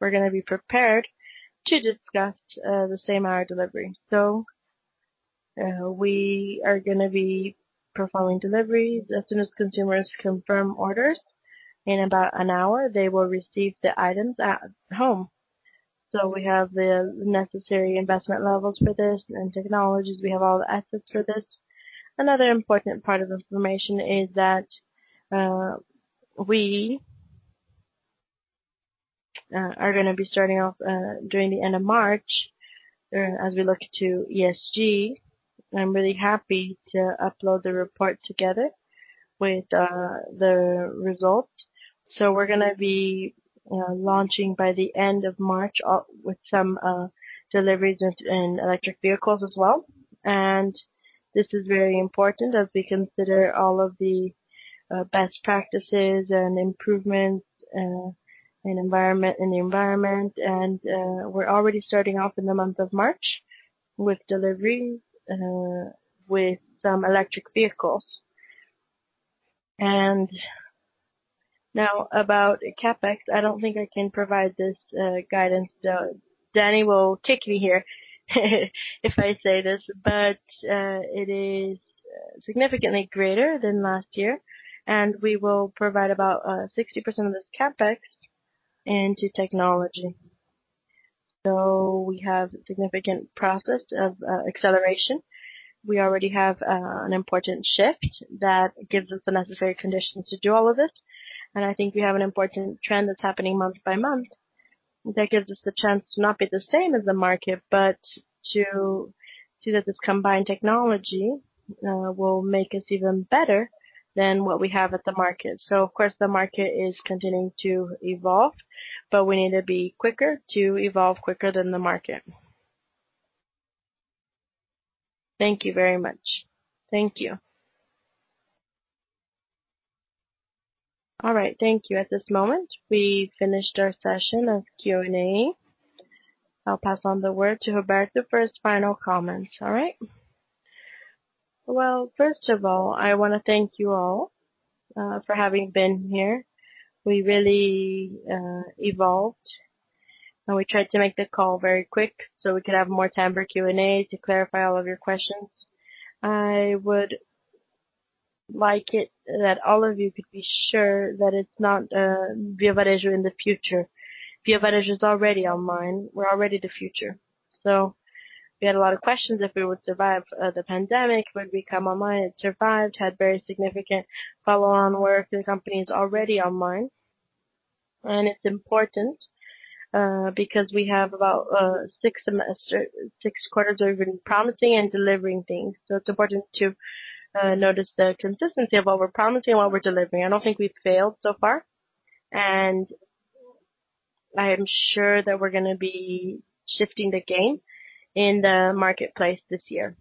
we're going to be prepared to discuss the same hour delivery. We are going to be performing deliveries as soon as consumers confirm orders. In about an hour, they will receive the items at home. We have the necessary investment levels for this and technologies. We have all the assets for this. Another important part of the information is that we are going to be starting off during the end of March as we look to ESG. I'm really happy to upload the report together with the results. We're going to be launching by the end of March with some deliveries in electric vehicles as well. This is very important as we consider all of the best practices and improvements in the environment. We're already starting off in the month of March with deliveries with some electric vehicles. Now about CapEx. I don't think I can provide this guidance, though Dani will kick me here if I say this, but it is significantly greater than last year, and we will provide about 60% of this CapEx into technology. We have significant process of acceleration. We already have an important shift that gives us the necessary conditions to do all of this. I think we have an important trend that's happening month by month that gives us the chance to not be the same as the market, but to see that this combined technology will make us even better than what we have at the market. Of course, the market is continuing to evolve, but we need to be quicker to evolve quicker than the market. Thank you very much. Thank you. All right. Thank you. At this moment, we finished our session of Q&A. I'll pass on the word to Roberto for his final comments. All right. Well, first of all, I want to thank you all for having been here. We really evolved, and we tried to make the call very quick so we could have more time for Q&A to clarify all of your questions. I would like it that all of you could be sure that it's not Via Varejo in the future. Via Varejo is already online. We're already the future. We had a lot of questions if we would survive the pandemic, would we come online? It survived, had very significant follow-on work. The company is already online. It's important because we have about six quarters where we've been promising and delivering things. It's important to notice the consistency of what we're promising and what we're delivering. I don't think we've failed so far. I am sure that we're going to be shifting the game in the marketplace this year.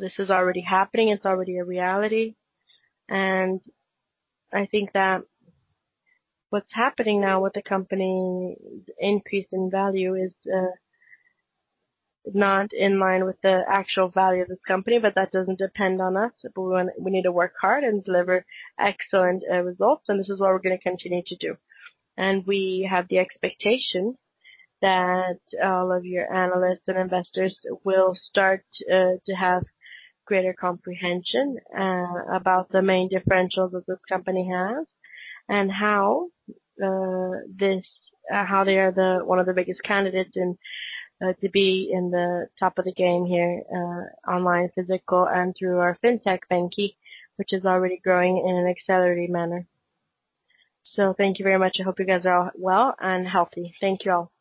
This is already happening. It's already a reality. I think that what's happening now with the company's increase in value is not in line with the actual value of this company. That doesn't depend on us. We need to work hard and deliver excellent results, and this is what we're going to continue to do. We have the expectation that all of your analysts and investors will start to have greater comprehension about the main differentials that this company has and how they are one of the biggest candidates to be in the top of the game here, online, physical, and through our fintech, banQi, which is already growing in an accelerated manner. Thank you very much. I hope you guys are all well and healthy. Thank you all.